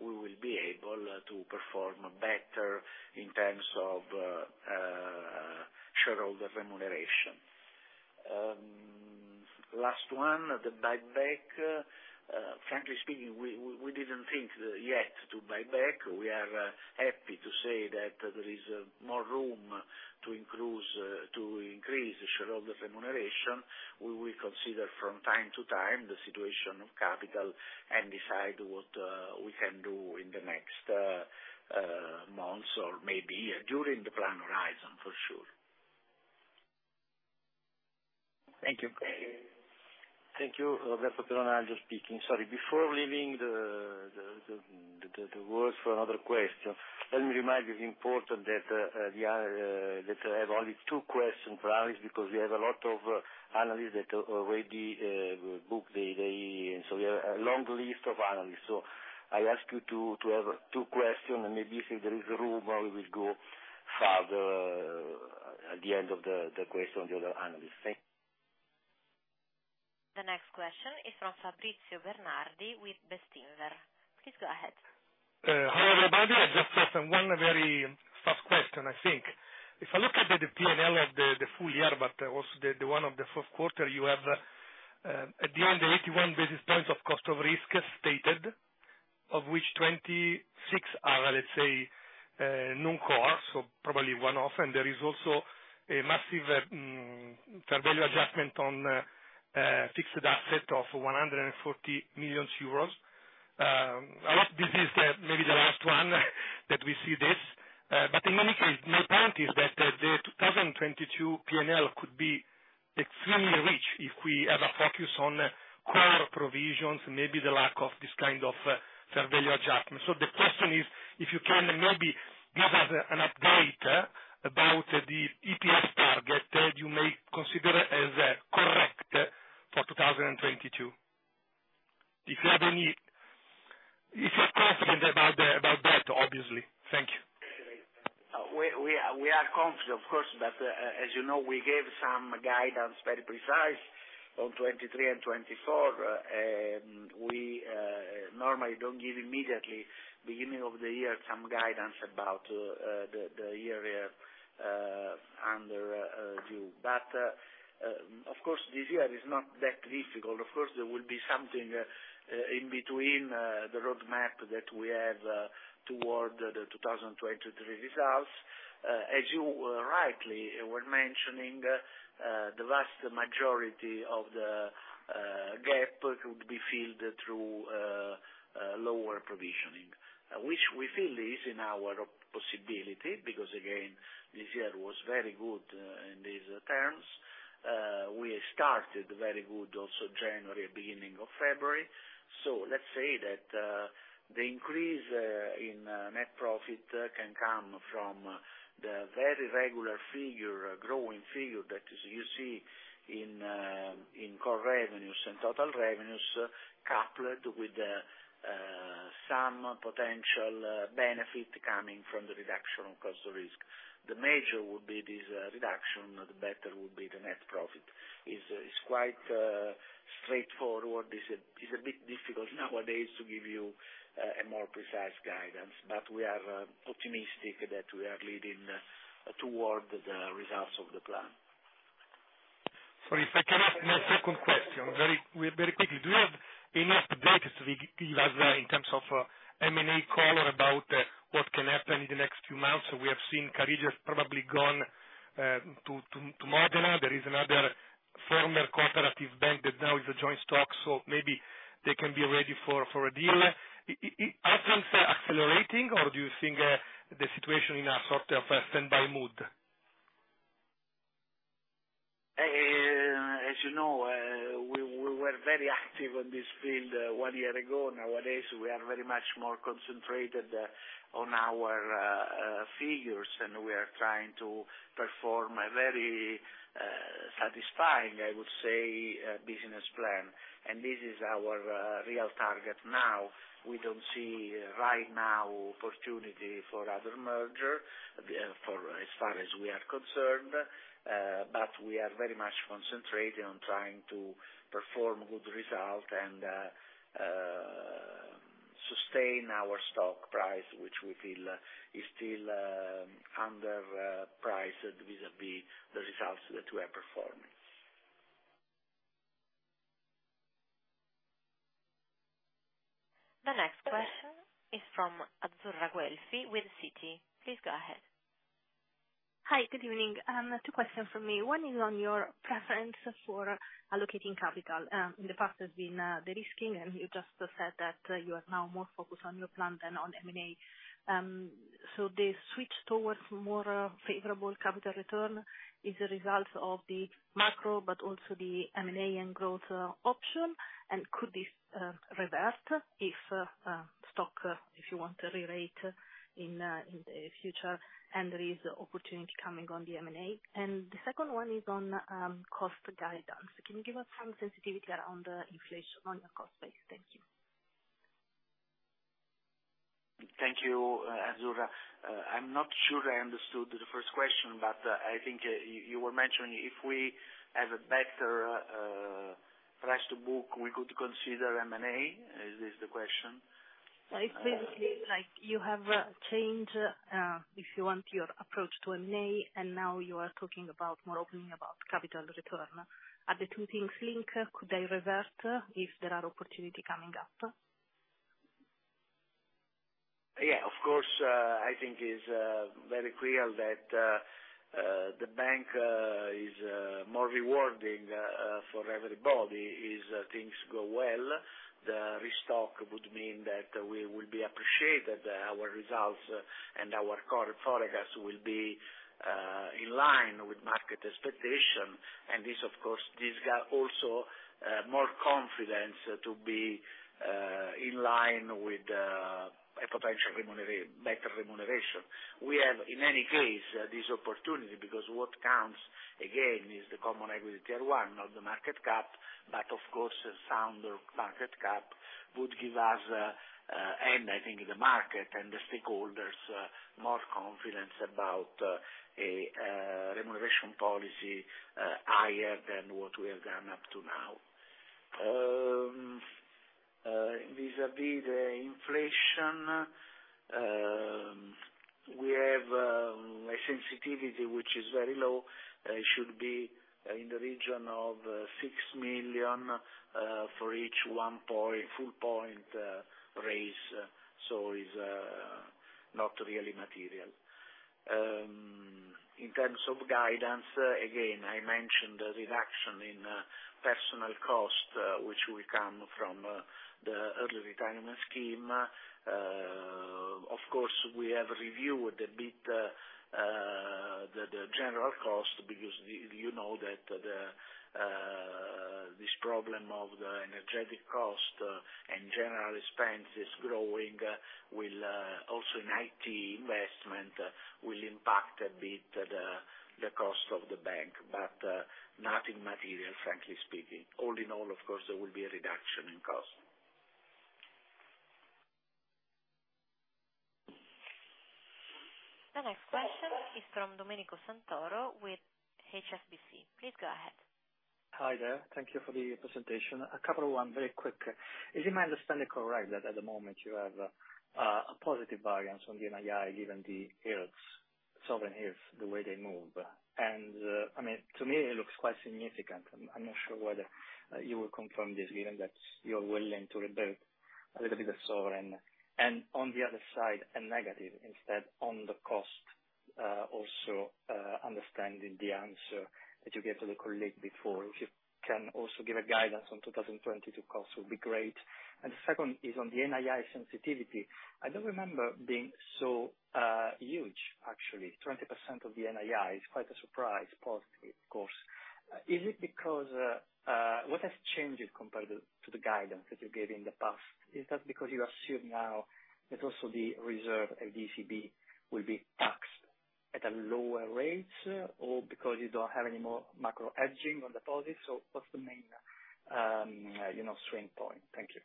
we will be able to perform better in terms of shareholder remuneration. Last one, the buyback. Frankly speaking, we didn't think yet to buy back. We are happy to say that there is more room to increase to increase the shareholder remuneration. We will consider from time to time the situation of capital and decide what we can do in the next months or maybe during the plan horizon, for sure. Thank you. Thank you. Roberto Giancarlo Peronaglio speaking. Sorry, before leaving the floor for another question, let me remind you of the importance that we have only two questions first, because we have a lot of analysts that already booked the, we have a long list of analysts. I ask you to have two questions, and maybe if there is room, I will go further at the end of the questions of the other analysts. Thanks. The next question is from Fabrizio Bernardi with Bestinver. Please go ahead. Hi, everybody. I just have one very fast question, I think. If I look at the P&L of the full year, but also the one of the fourth quarter, you have at the end, the 11 basis points of cost of risk stated, of which 26 are, let's say, non-core, so probably one-off. There is also a massive fair value adjustment on fixed asset of 140 million euros. A lot of business, maybe the last one that we see this. In any case, my point is that the 2022 P&L could be extremely rich if we have a focus on core provisions, maybe the lack of this kind of fair value adjustment. The question is, if you can maybe give us an update about the EPS target that you may consider as correct for 2022. If you're confident about that, obviously. Thank you. We are confident of course, but as you know, we gave some guidance very precise on 2023 and 2024. We normally don't give immediately beginning of the year some guidance about the year under review. Of course this year is not that difficult. Of course there will be something in between the roadmap that we have toward the 2023 results. As you rightly were mentioning, the vast majority of the gap could be filled through lower provisioning. Which we feel is in our possibility because again, this year was very good in these terms. We started very good also January, beginning of February. Let's say that the increase in net profit can come from the very regular, growing figure that you see in core revenues and total revenues coupled with some potential benefit coming from the reduction of cost of risk. The greater the reduction, the better the net profit. It is quite straightforward. It is a bit difficult nowadays to give you a more precise guidance. We are optimistic that we are heading toward the results of the plan. Sorry, if I can ask my second question very, very quickly. Do you have any update, Giuseppe, in terms of M&A call about what can happen in the next few months? We have seen Carige has probably gone to BPER. There is another former cooperative bank that now is a joint stock, so maybe they can be ready for a deal. Is Atlante accelerating or do you think the situation in a sort of a standby mode? As you know, we were very active on this field one year ago. Nowadays, we are very much more concentrated on our figures, and we are trying to perform a very satisfying, I would say, business plan. This is our real target now. We don't see right now opportunity for other merger for as far as we are concerned, but we are very much concentrated on trying to perform good result and sustain our stock price, which we feel is still underpriced vis-à-vis the results that we are performing. The next question is from Azzurra Guelfi with Citi. Please go ahead. Hi, good evening. Two questions from me. One is on your preference for allocating capital. In the past it's been de-risking, and you just said that you are now more focused on your plan than on M&A. The switch towards more favorable capital return is a result of the macro but also the M&A and growth option, and could this revert if stock, if you want to rerate in the future and there is opportunity coming on the M&A? The second one is on cost guidance. Can you give us some sensitivity around the inflation on your cost base? Thank you. Thank you, Azzurra. I'm not sure I understood the first question, but I think you were mentioning if we have a better price to book, we could consider M&A. Is this the question? It's basically like you have changed, if you want, your approach to M&A, and now you are talking about more openness about capital return. Are the two things linked? Could they revert if there are opportunity coming up? Yeah, of course, I think it's very clear that the bank is more rewarding for everybody if things go well. The stock would mean that we will be appreciated, our results and our core forecasts will be in line with market expectation. This of course gives us also more confidence to be in line with a potential better remuneration. We have, in any case, this opportunity because what counts again is the Common Equity Tier 1, not the market cap. Of course, a sounder market cap would give us and I think the market and the stakeholders more confidence about a remuneration policy higher than what we have done up to now. Vis-à-vis the inflation, we have a sensitivity which is very low. It should be in the region of 6 million for each 1 percentage point raise. So it's not really material. In terms of guidance, again, I mentioned the reduction in personnel cost, which will come from the early retirement scheme. Of course, we have reviewed a bit the general cost because you know that this problem of the energy cost and general expense is growing, which will also in IT investment impact a bit the cost of the bank. But nothing material, frankly speaking. All in all, of course, there will be a reduction in cost. The next question is from Domenico Santoro with HSBC. Please go ahead. Hi there. Thank you for the presentation. A couple, one very quick. Is my understanding correct that at the moment you have a positive variance on the NII, given the yields, sovereign yields, the way they move? I mean, to me it looks quite significant. I'm not sure whether you will confirm this, given that you're willing to rebuild a little bit of sovereign. On the other side, a negative instead on the cost, also understanding the answer that you gave to the colleague before. If you can also give a guidance on 2022 costs, it will be great. The second is on the NII sensitivity. I don't remember being so huge, actually, 20% of the NII is quite a surprise, positively of course. Is it because what has changed compared to the guidance that you gave in the past? Is that because you assume now that also the reserve at ECB will be taxed at a lower rate, or because you don't have any more macro hedging on deposits, or what's the main, you know, strength point? Thank you.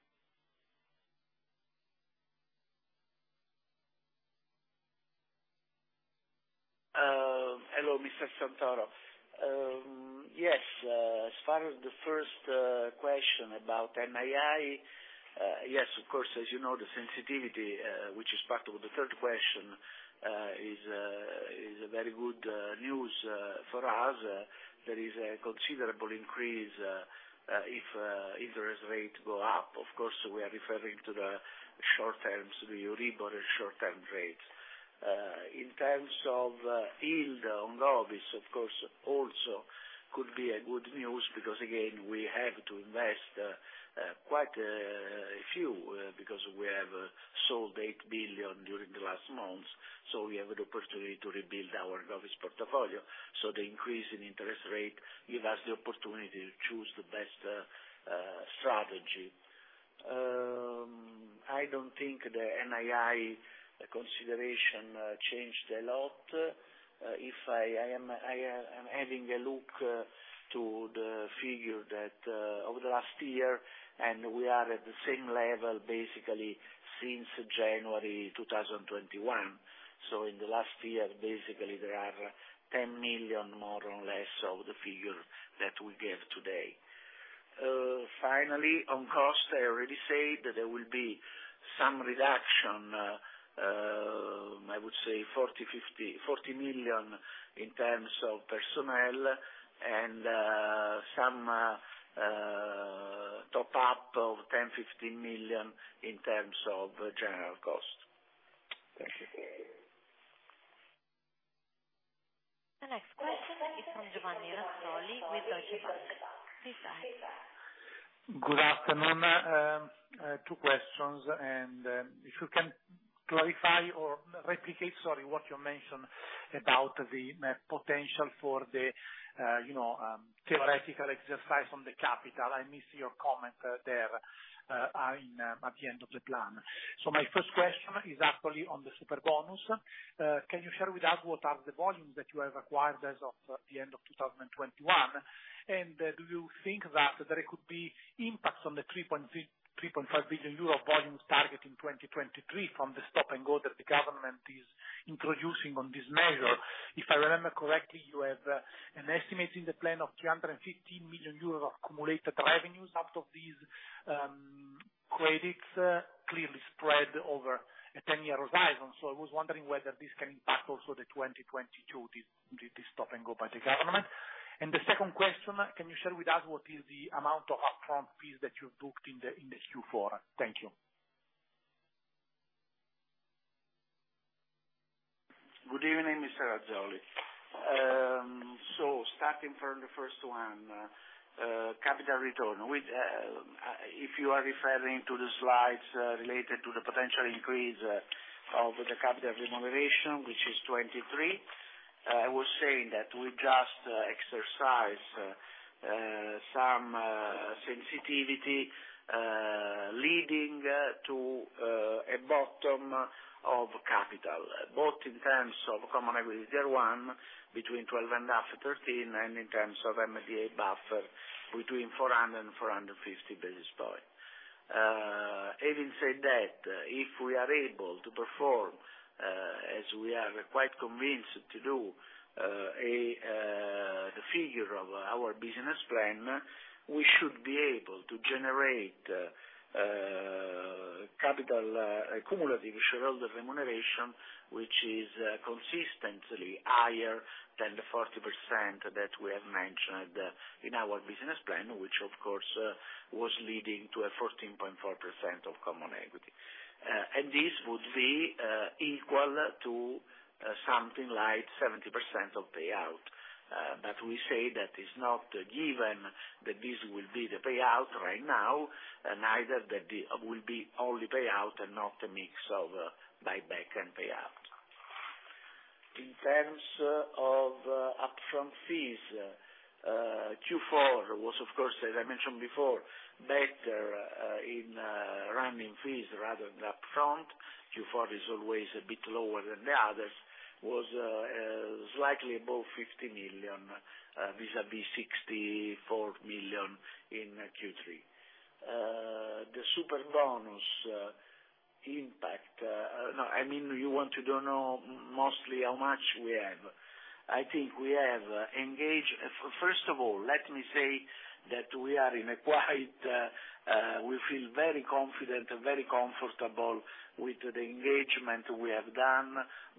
Hello, Mr. Santoro. Yes, as far as the first question about NII, yes, of course, as you know, the sensitivity, which is part of the third question, is very good news for us. There is a considerable increase if interest rates go up. Of course, we are referring to the short terms, the Euro short term rates. In terms of yield on govies, of course, also could be good news because again, we have to invest quite a few because we have sold 8 billion during the last months, so we have the opportunity to rebuild our govies portfolio. The increase in interest rate give us the opportunity to choose the best strategy. I don't think the NII consideration changed a lot. If I am having a look at the figure that over the last year, and we are at the same level basically since January 2021. In the last year, basically there are 10 million more or less of the figure that we give today. Finally, on cost, I already said that there will be some reduction, I would say 40-50 million in terms of personnel and some top up of 10-15 million in terms of general cost. Thank you. The next question is from Giovanni Razzoli with Deutsche Bank. Please ask. Good afternoon. Two questions and if you can clarify or elaborate, sorry, what you mentioned about the potential for the, you know, theoretical exercise on the capital. I miss your comment there in at the end of the plan. My first question is actually on the Superbonus. Can you share with us what are the volumes that you have acquired as of the end of 2021? Do you think that there could be impacts on the 3.3 billion-3.5 billion euro volumes target in 2023 from the stop and go that the government is introducing on this measure? If I remember correctly, you have an estimate in the plan of 350 million euros accumulated revenues out of these credits, clearly spread over a 10-year horizon. I was wondering whether this can impact also the 2022, this stop and go by the government. The second question, can you share with us what is the amount of upfront fees that you've booked in the Q4? Thank you. Good evening, Mr. Razzoli. Starting from the first one, capital return. If you are referring to the slides related to the potential increase of the capital remuneration, which is 23, I was saying that we just exercise some sensitivity leading to a floor of capital, both in terms of Common Equity Tier 1 between 12.5 and 13, and in terms of MDA buffer between 400 and 450 basis points. Having said that, if we are able to perform as we are quite convinced to do, achieve the figure of our business plan, we should be able to generate capital cumulative shareholder remuneration, which is consistently higher than the 40% that we have mentioned in our business plan. Which of course was leading to a 14.4% of common equity. This would be equal to something like 70% of payout. But we say that it's not given that this will be the payout right now, neither that will be only payout and not a mix of buyback and payout. In terms of upfront fees, Q4 was of course, as I mentioned before, better in running fees rather than upfront. Q4 is always a bit lower than the others, was slightly above 50 million vis-à-vis 64 million in Q3. The Superbonus impact. No, I mean, you want to know mostly how much we have. I think we have engaged... First of all, let me say that we are quite confident and very comfortable with the engagement we have done,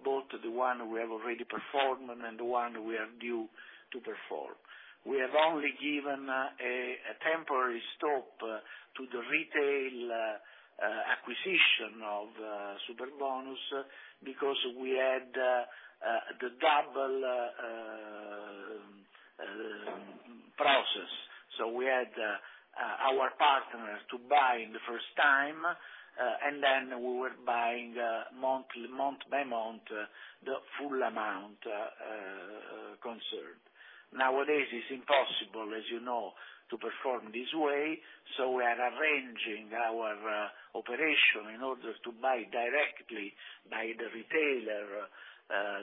both the one we have already performed and the one we are due to perform. We have only given a temporary stop to the retail acquisition of Superbonus because we had the double process. We had our partner to buy the first time, and then we were buying monthly, month by month, the full amount concerned. Nowadays, it's impossible, as you know, to perform this way, so we are arranging our operation in order to buy directly from the retailer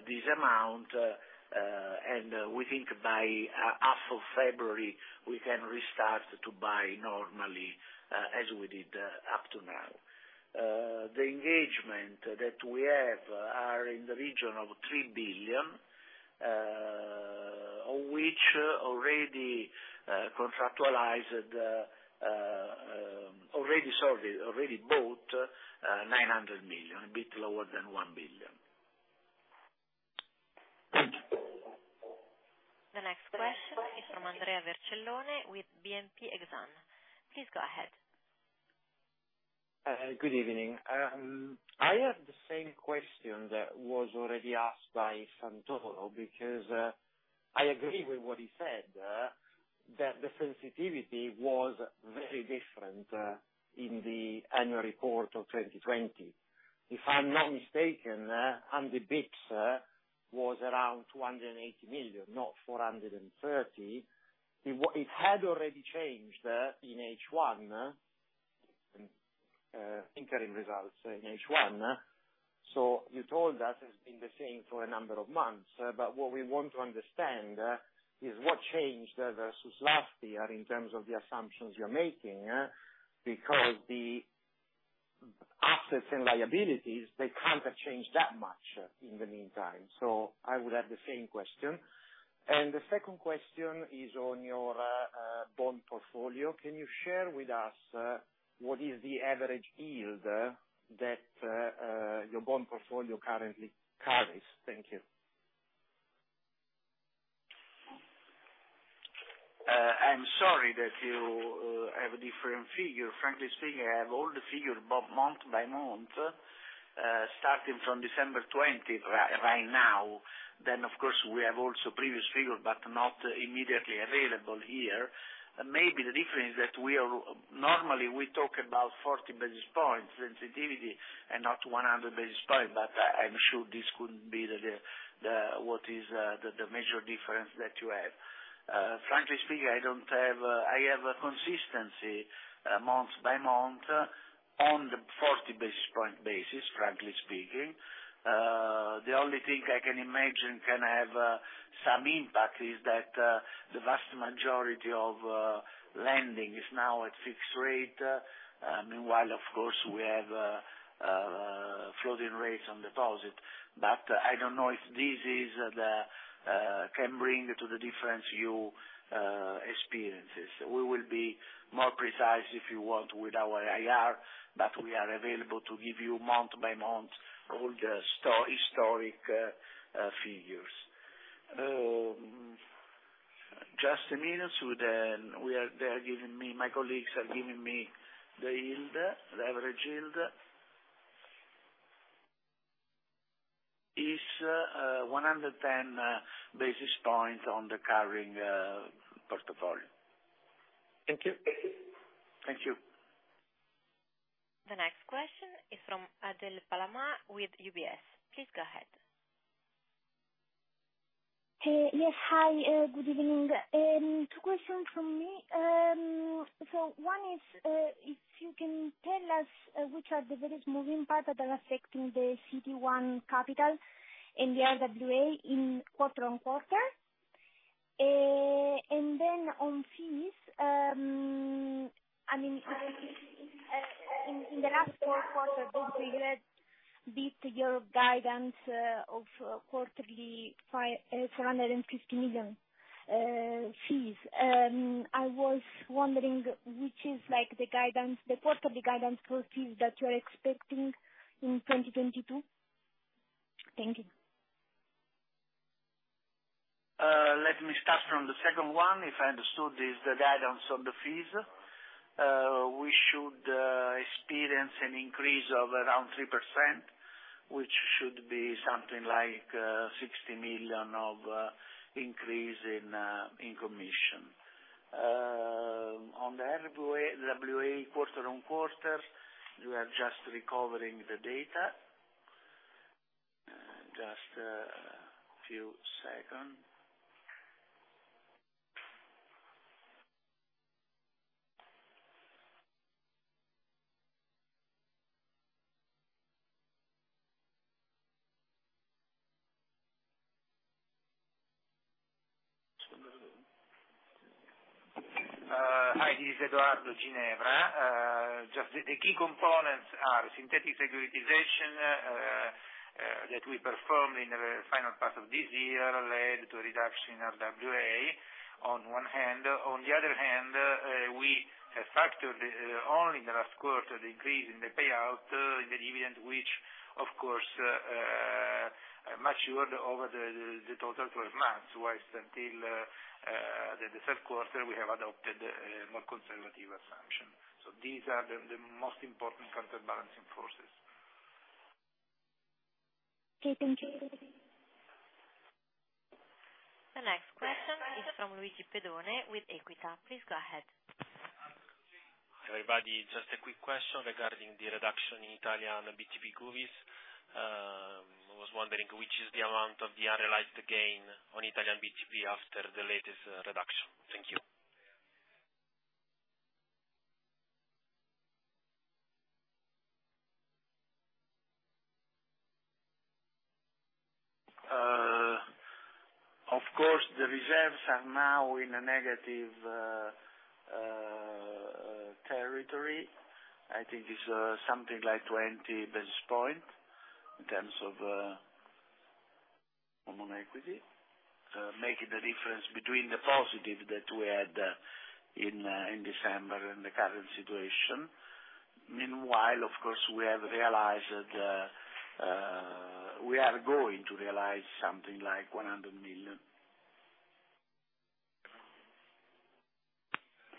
this amount, and we think as of February, we can restart to buy normally as we did up to now. The engagement that we have are in the region of 3 billion, which already contractualized, already sold, already bought 900 million, a bit lower than 1 billion. The next question is from Andrea Vercellone with Exane BNP Paribas. Please go ahead. Good evening. I have the same question that was already asked by Santoro because I agree with what he said that the sensitivity was very different in the annual report of 2020. If I'm not mistaken, and the hit was around 280 million, not 430 million. It had already changed in H1 in current results in H1. You told us it's been the same for a number of months. What we want to understand is what changed versus last year in terms of the assumptions you're making because the assets and liabilities they can't have changed that much in the meantime. I would have the same question. The second question is on your bond portfolio. Can you share with us, what is the average yield that, your bond portfolio currently carries? Thank you. I'm sorry that you have a different figure. Frankly speaking, I have all the figures, about month by month, starting from December 2020 right now. Of course, we have also previous figures, but not immediately available here. Maybe the difference is that normally we talk about 40 basis points sensitivity and not 100 basis points. I'm sure this could be what is the major difference that you have. Frankly speaking, I have a consistency month by month on the 40 basis points basis, frankly speaking. The only thing I can imagine can have some impact is that the vast majority of lending is now at fixed rate. Meanwhile, of course, we have floating rates on deposit. I don't know if this is the that can bring to the difference in your experiences. We will be more precise, if you want, with our IR, but we are available to give you month by month all the historic figures. Just a minute. They are giving me, my colleagues are giving me the yield, the average yield. It's 110 basis points on the covered portfolio. Thank you. Thank you. The next question is from Adele Palama with UBS. Please go ahead. Hi, good evening. Two questions from me. One is, if you can tell us, which are the various moving parts that are affecting the CET1 capital and the RWA quarter-on-quarter. Then on fees, I mean, in the last four quarters, those greatly beat your guidance of quarterly 750 million fees. I was wondering, what is, like, the guidance, the quarterly guidance for fees that you are expecting in 2022. Thank you. Let me start from the second one. If I understood, it's the guidance on the fees, we should experience an increase of around 3%, which should be something like 60 million of increase in commission. On the RWA quarter-on-quarter, we are just recovering the data. Just a few seconds. Hi, this is Edoardo Ginevra. Just the key components are synthetic securitization that we performed in the final part of this year led to a reduction of RWA on one hand. On the other hand, we have factored only in the last quarter the increase in the payout in the dividend, which of course matured over the total 12 months, while until the third quarter we have adopted a more conservative assumption. These are the most important counterbalancing forces. Okay. Thank you. The next question is from Luigi De Bellis with Equita. Please go ahead. Hi, everybody. Just a quick question regarding the reduction in Italian BTP govies. I was wondering, which is the amount of the unrealized gain on Italian BTP after the latest reduction? Thank you. Of course, the reserves are now in a negative territory. I think it's something like 20 basis points in terms of common equity, making the difference between the positive that we had in December and the current situation. Meanwhile, of course, we have realized that we are going to realize something like 100 million.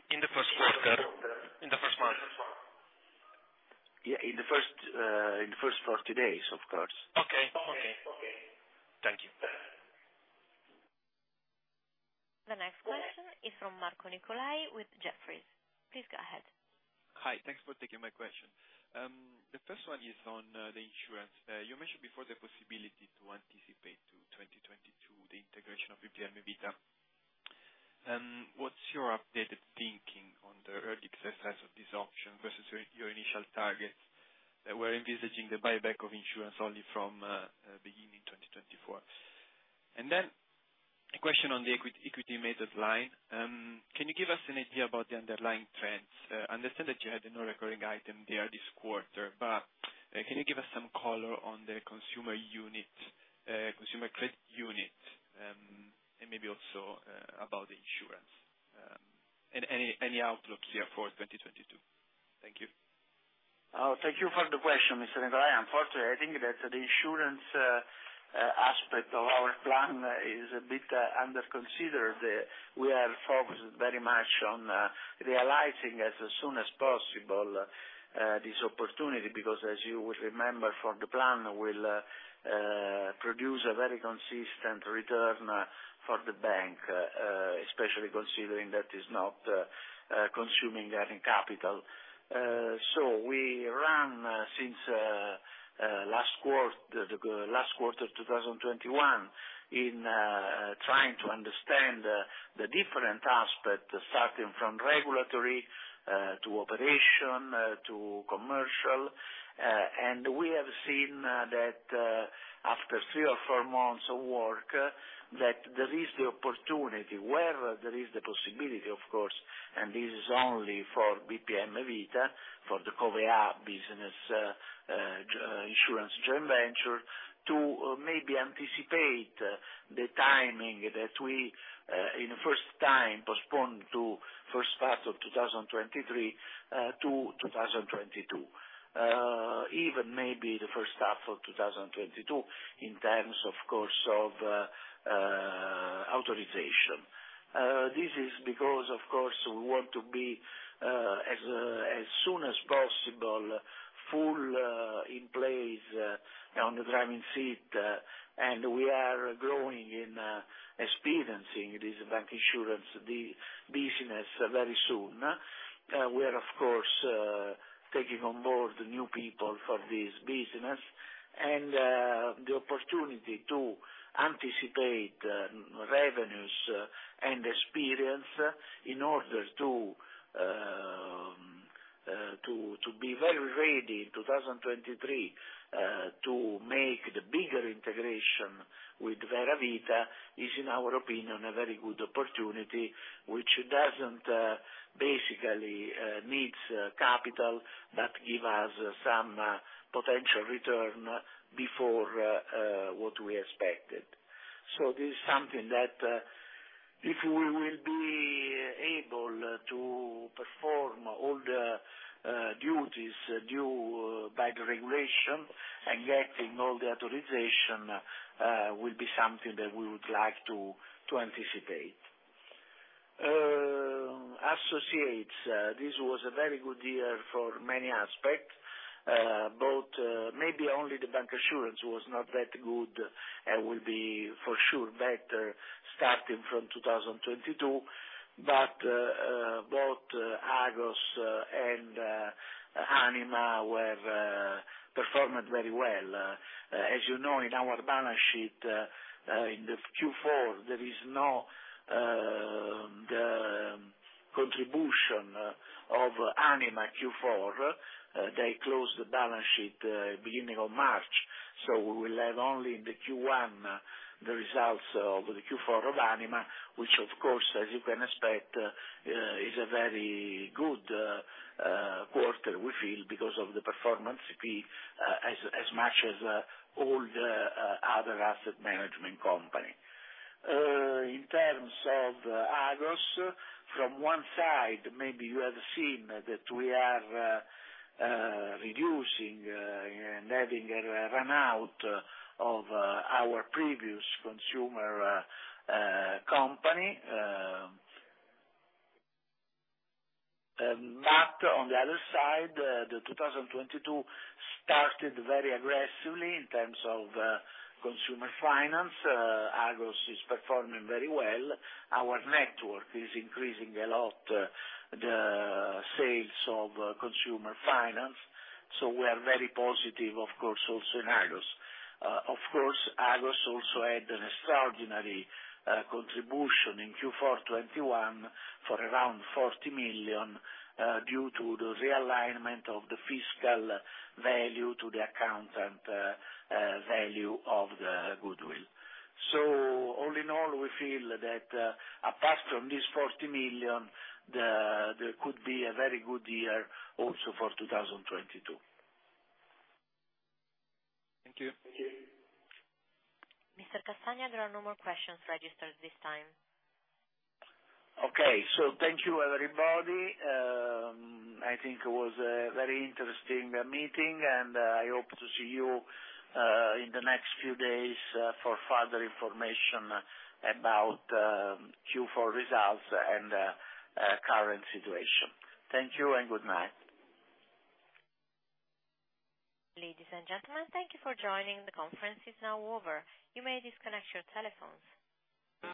In the first month. Yeah, in the first 40 days, of course. Okay. Thank you. The next question is from Marco Nicolai with Jefferies. Please go ahead. Hi. Thanks for taking my question. The first one is on the insurance. You mentioned before the possibility to anticipate to 2022 the integration of BPM Vita. What's your updated thinking on the early exercise of this option versus your initial targets that were envisaging the buyback of insurance only from beginning 2024? A question on the equity-related line. Can you give us an idea about the underlying trends? I understand that you had a non-recurring item there this quarter, but can you give us some color on the consumer unit, consumer credit unit, and maybe also about the insurance, and any outlook here for 2022? Thank you. Thank you for the question, Mr. Nicolai. Unfortunately, I think that the insurance aspect of our plan is a bit underconsidered. We are focused very much on realizing as soon as possible this opportunity, because as you would remember from the plan, it will produce a very consistent return for the bank, especially considering that it's not consuming equity capital. We run since the last quarter of 2021 in trying to understand the different aspect, starting from regulatory to operational to commercial. We have seen that after three or four months of work that there is the opportunity where there is the possibility, of course, and this is only for BPM Vita, for the Covéa business, insurance joint venture, to maybe anticipate the timing that we in the first time postponed to first part of 2023 to 2022. Even maybe the first half of 2022 in terms, of course, of authorization. This is because, of course, we want to be as soon as possible full in place on the driving seat and we are growing in experiencing this bank insurance business very soon. We are, of course, taking on board new people for this business and the opportunity to anticipate revenues and experience in order to be very ready in 2023 to make the bigger integration with Vera Vita is, in our opinion, a very good opportunity, which doesn't basically needs capital, but give us some potential return before what we expected. This is something that if we will be able to perform all the duties due by the regulation and getting all the authorization will be something that we would like to anticipate. Associates. This was a very good year for many aspects. Both, maybe only the bancassurance was not that good and will be for sure better starting from 2022. Both Agos and Anima performed very well. As you know, in our balance sheet in the Q4 there is no contribution of Anima Q4. They closed the balance sheet beginning of March, so we will have only the Q1, the results of the Q4 of Anima, which of course, as you can expect, is a very good quarter, we feel because of the performance fee, as much as all the other asset management company. In terms of Agos, from one side, maybe you have seen that we are reducing and having a run out of our previous consumer company. On the other side, 2022 started very aggressively in terms of consumer finance. Agos is performing very well. Our network is increasing a lot, the sales of consumer finance, so we are very positive, of course, also in Agos. Of course, Agos also had an extraordinary contribution in Q4 2021 for around 40 million due to the realignment of the fiscal value to the accounting value of the goodwill. All in all, we feel that apart from this 40 million, there could be a very good year also for 2022. Thank you. Mr. Castagna, there are no more questions registered at this time. Okay. Thank you, everybody. I think it was a very interesting meeting, and I hope to see you in the next few days for further information about Q4 results and current situation. Thank you and good night. Ladies and gentlemen, thank you for joining. The conference is now over. You may disconnect your telephones.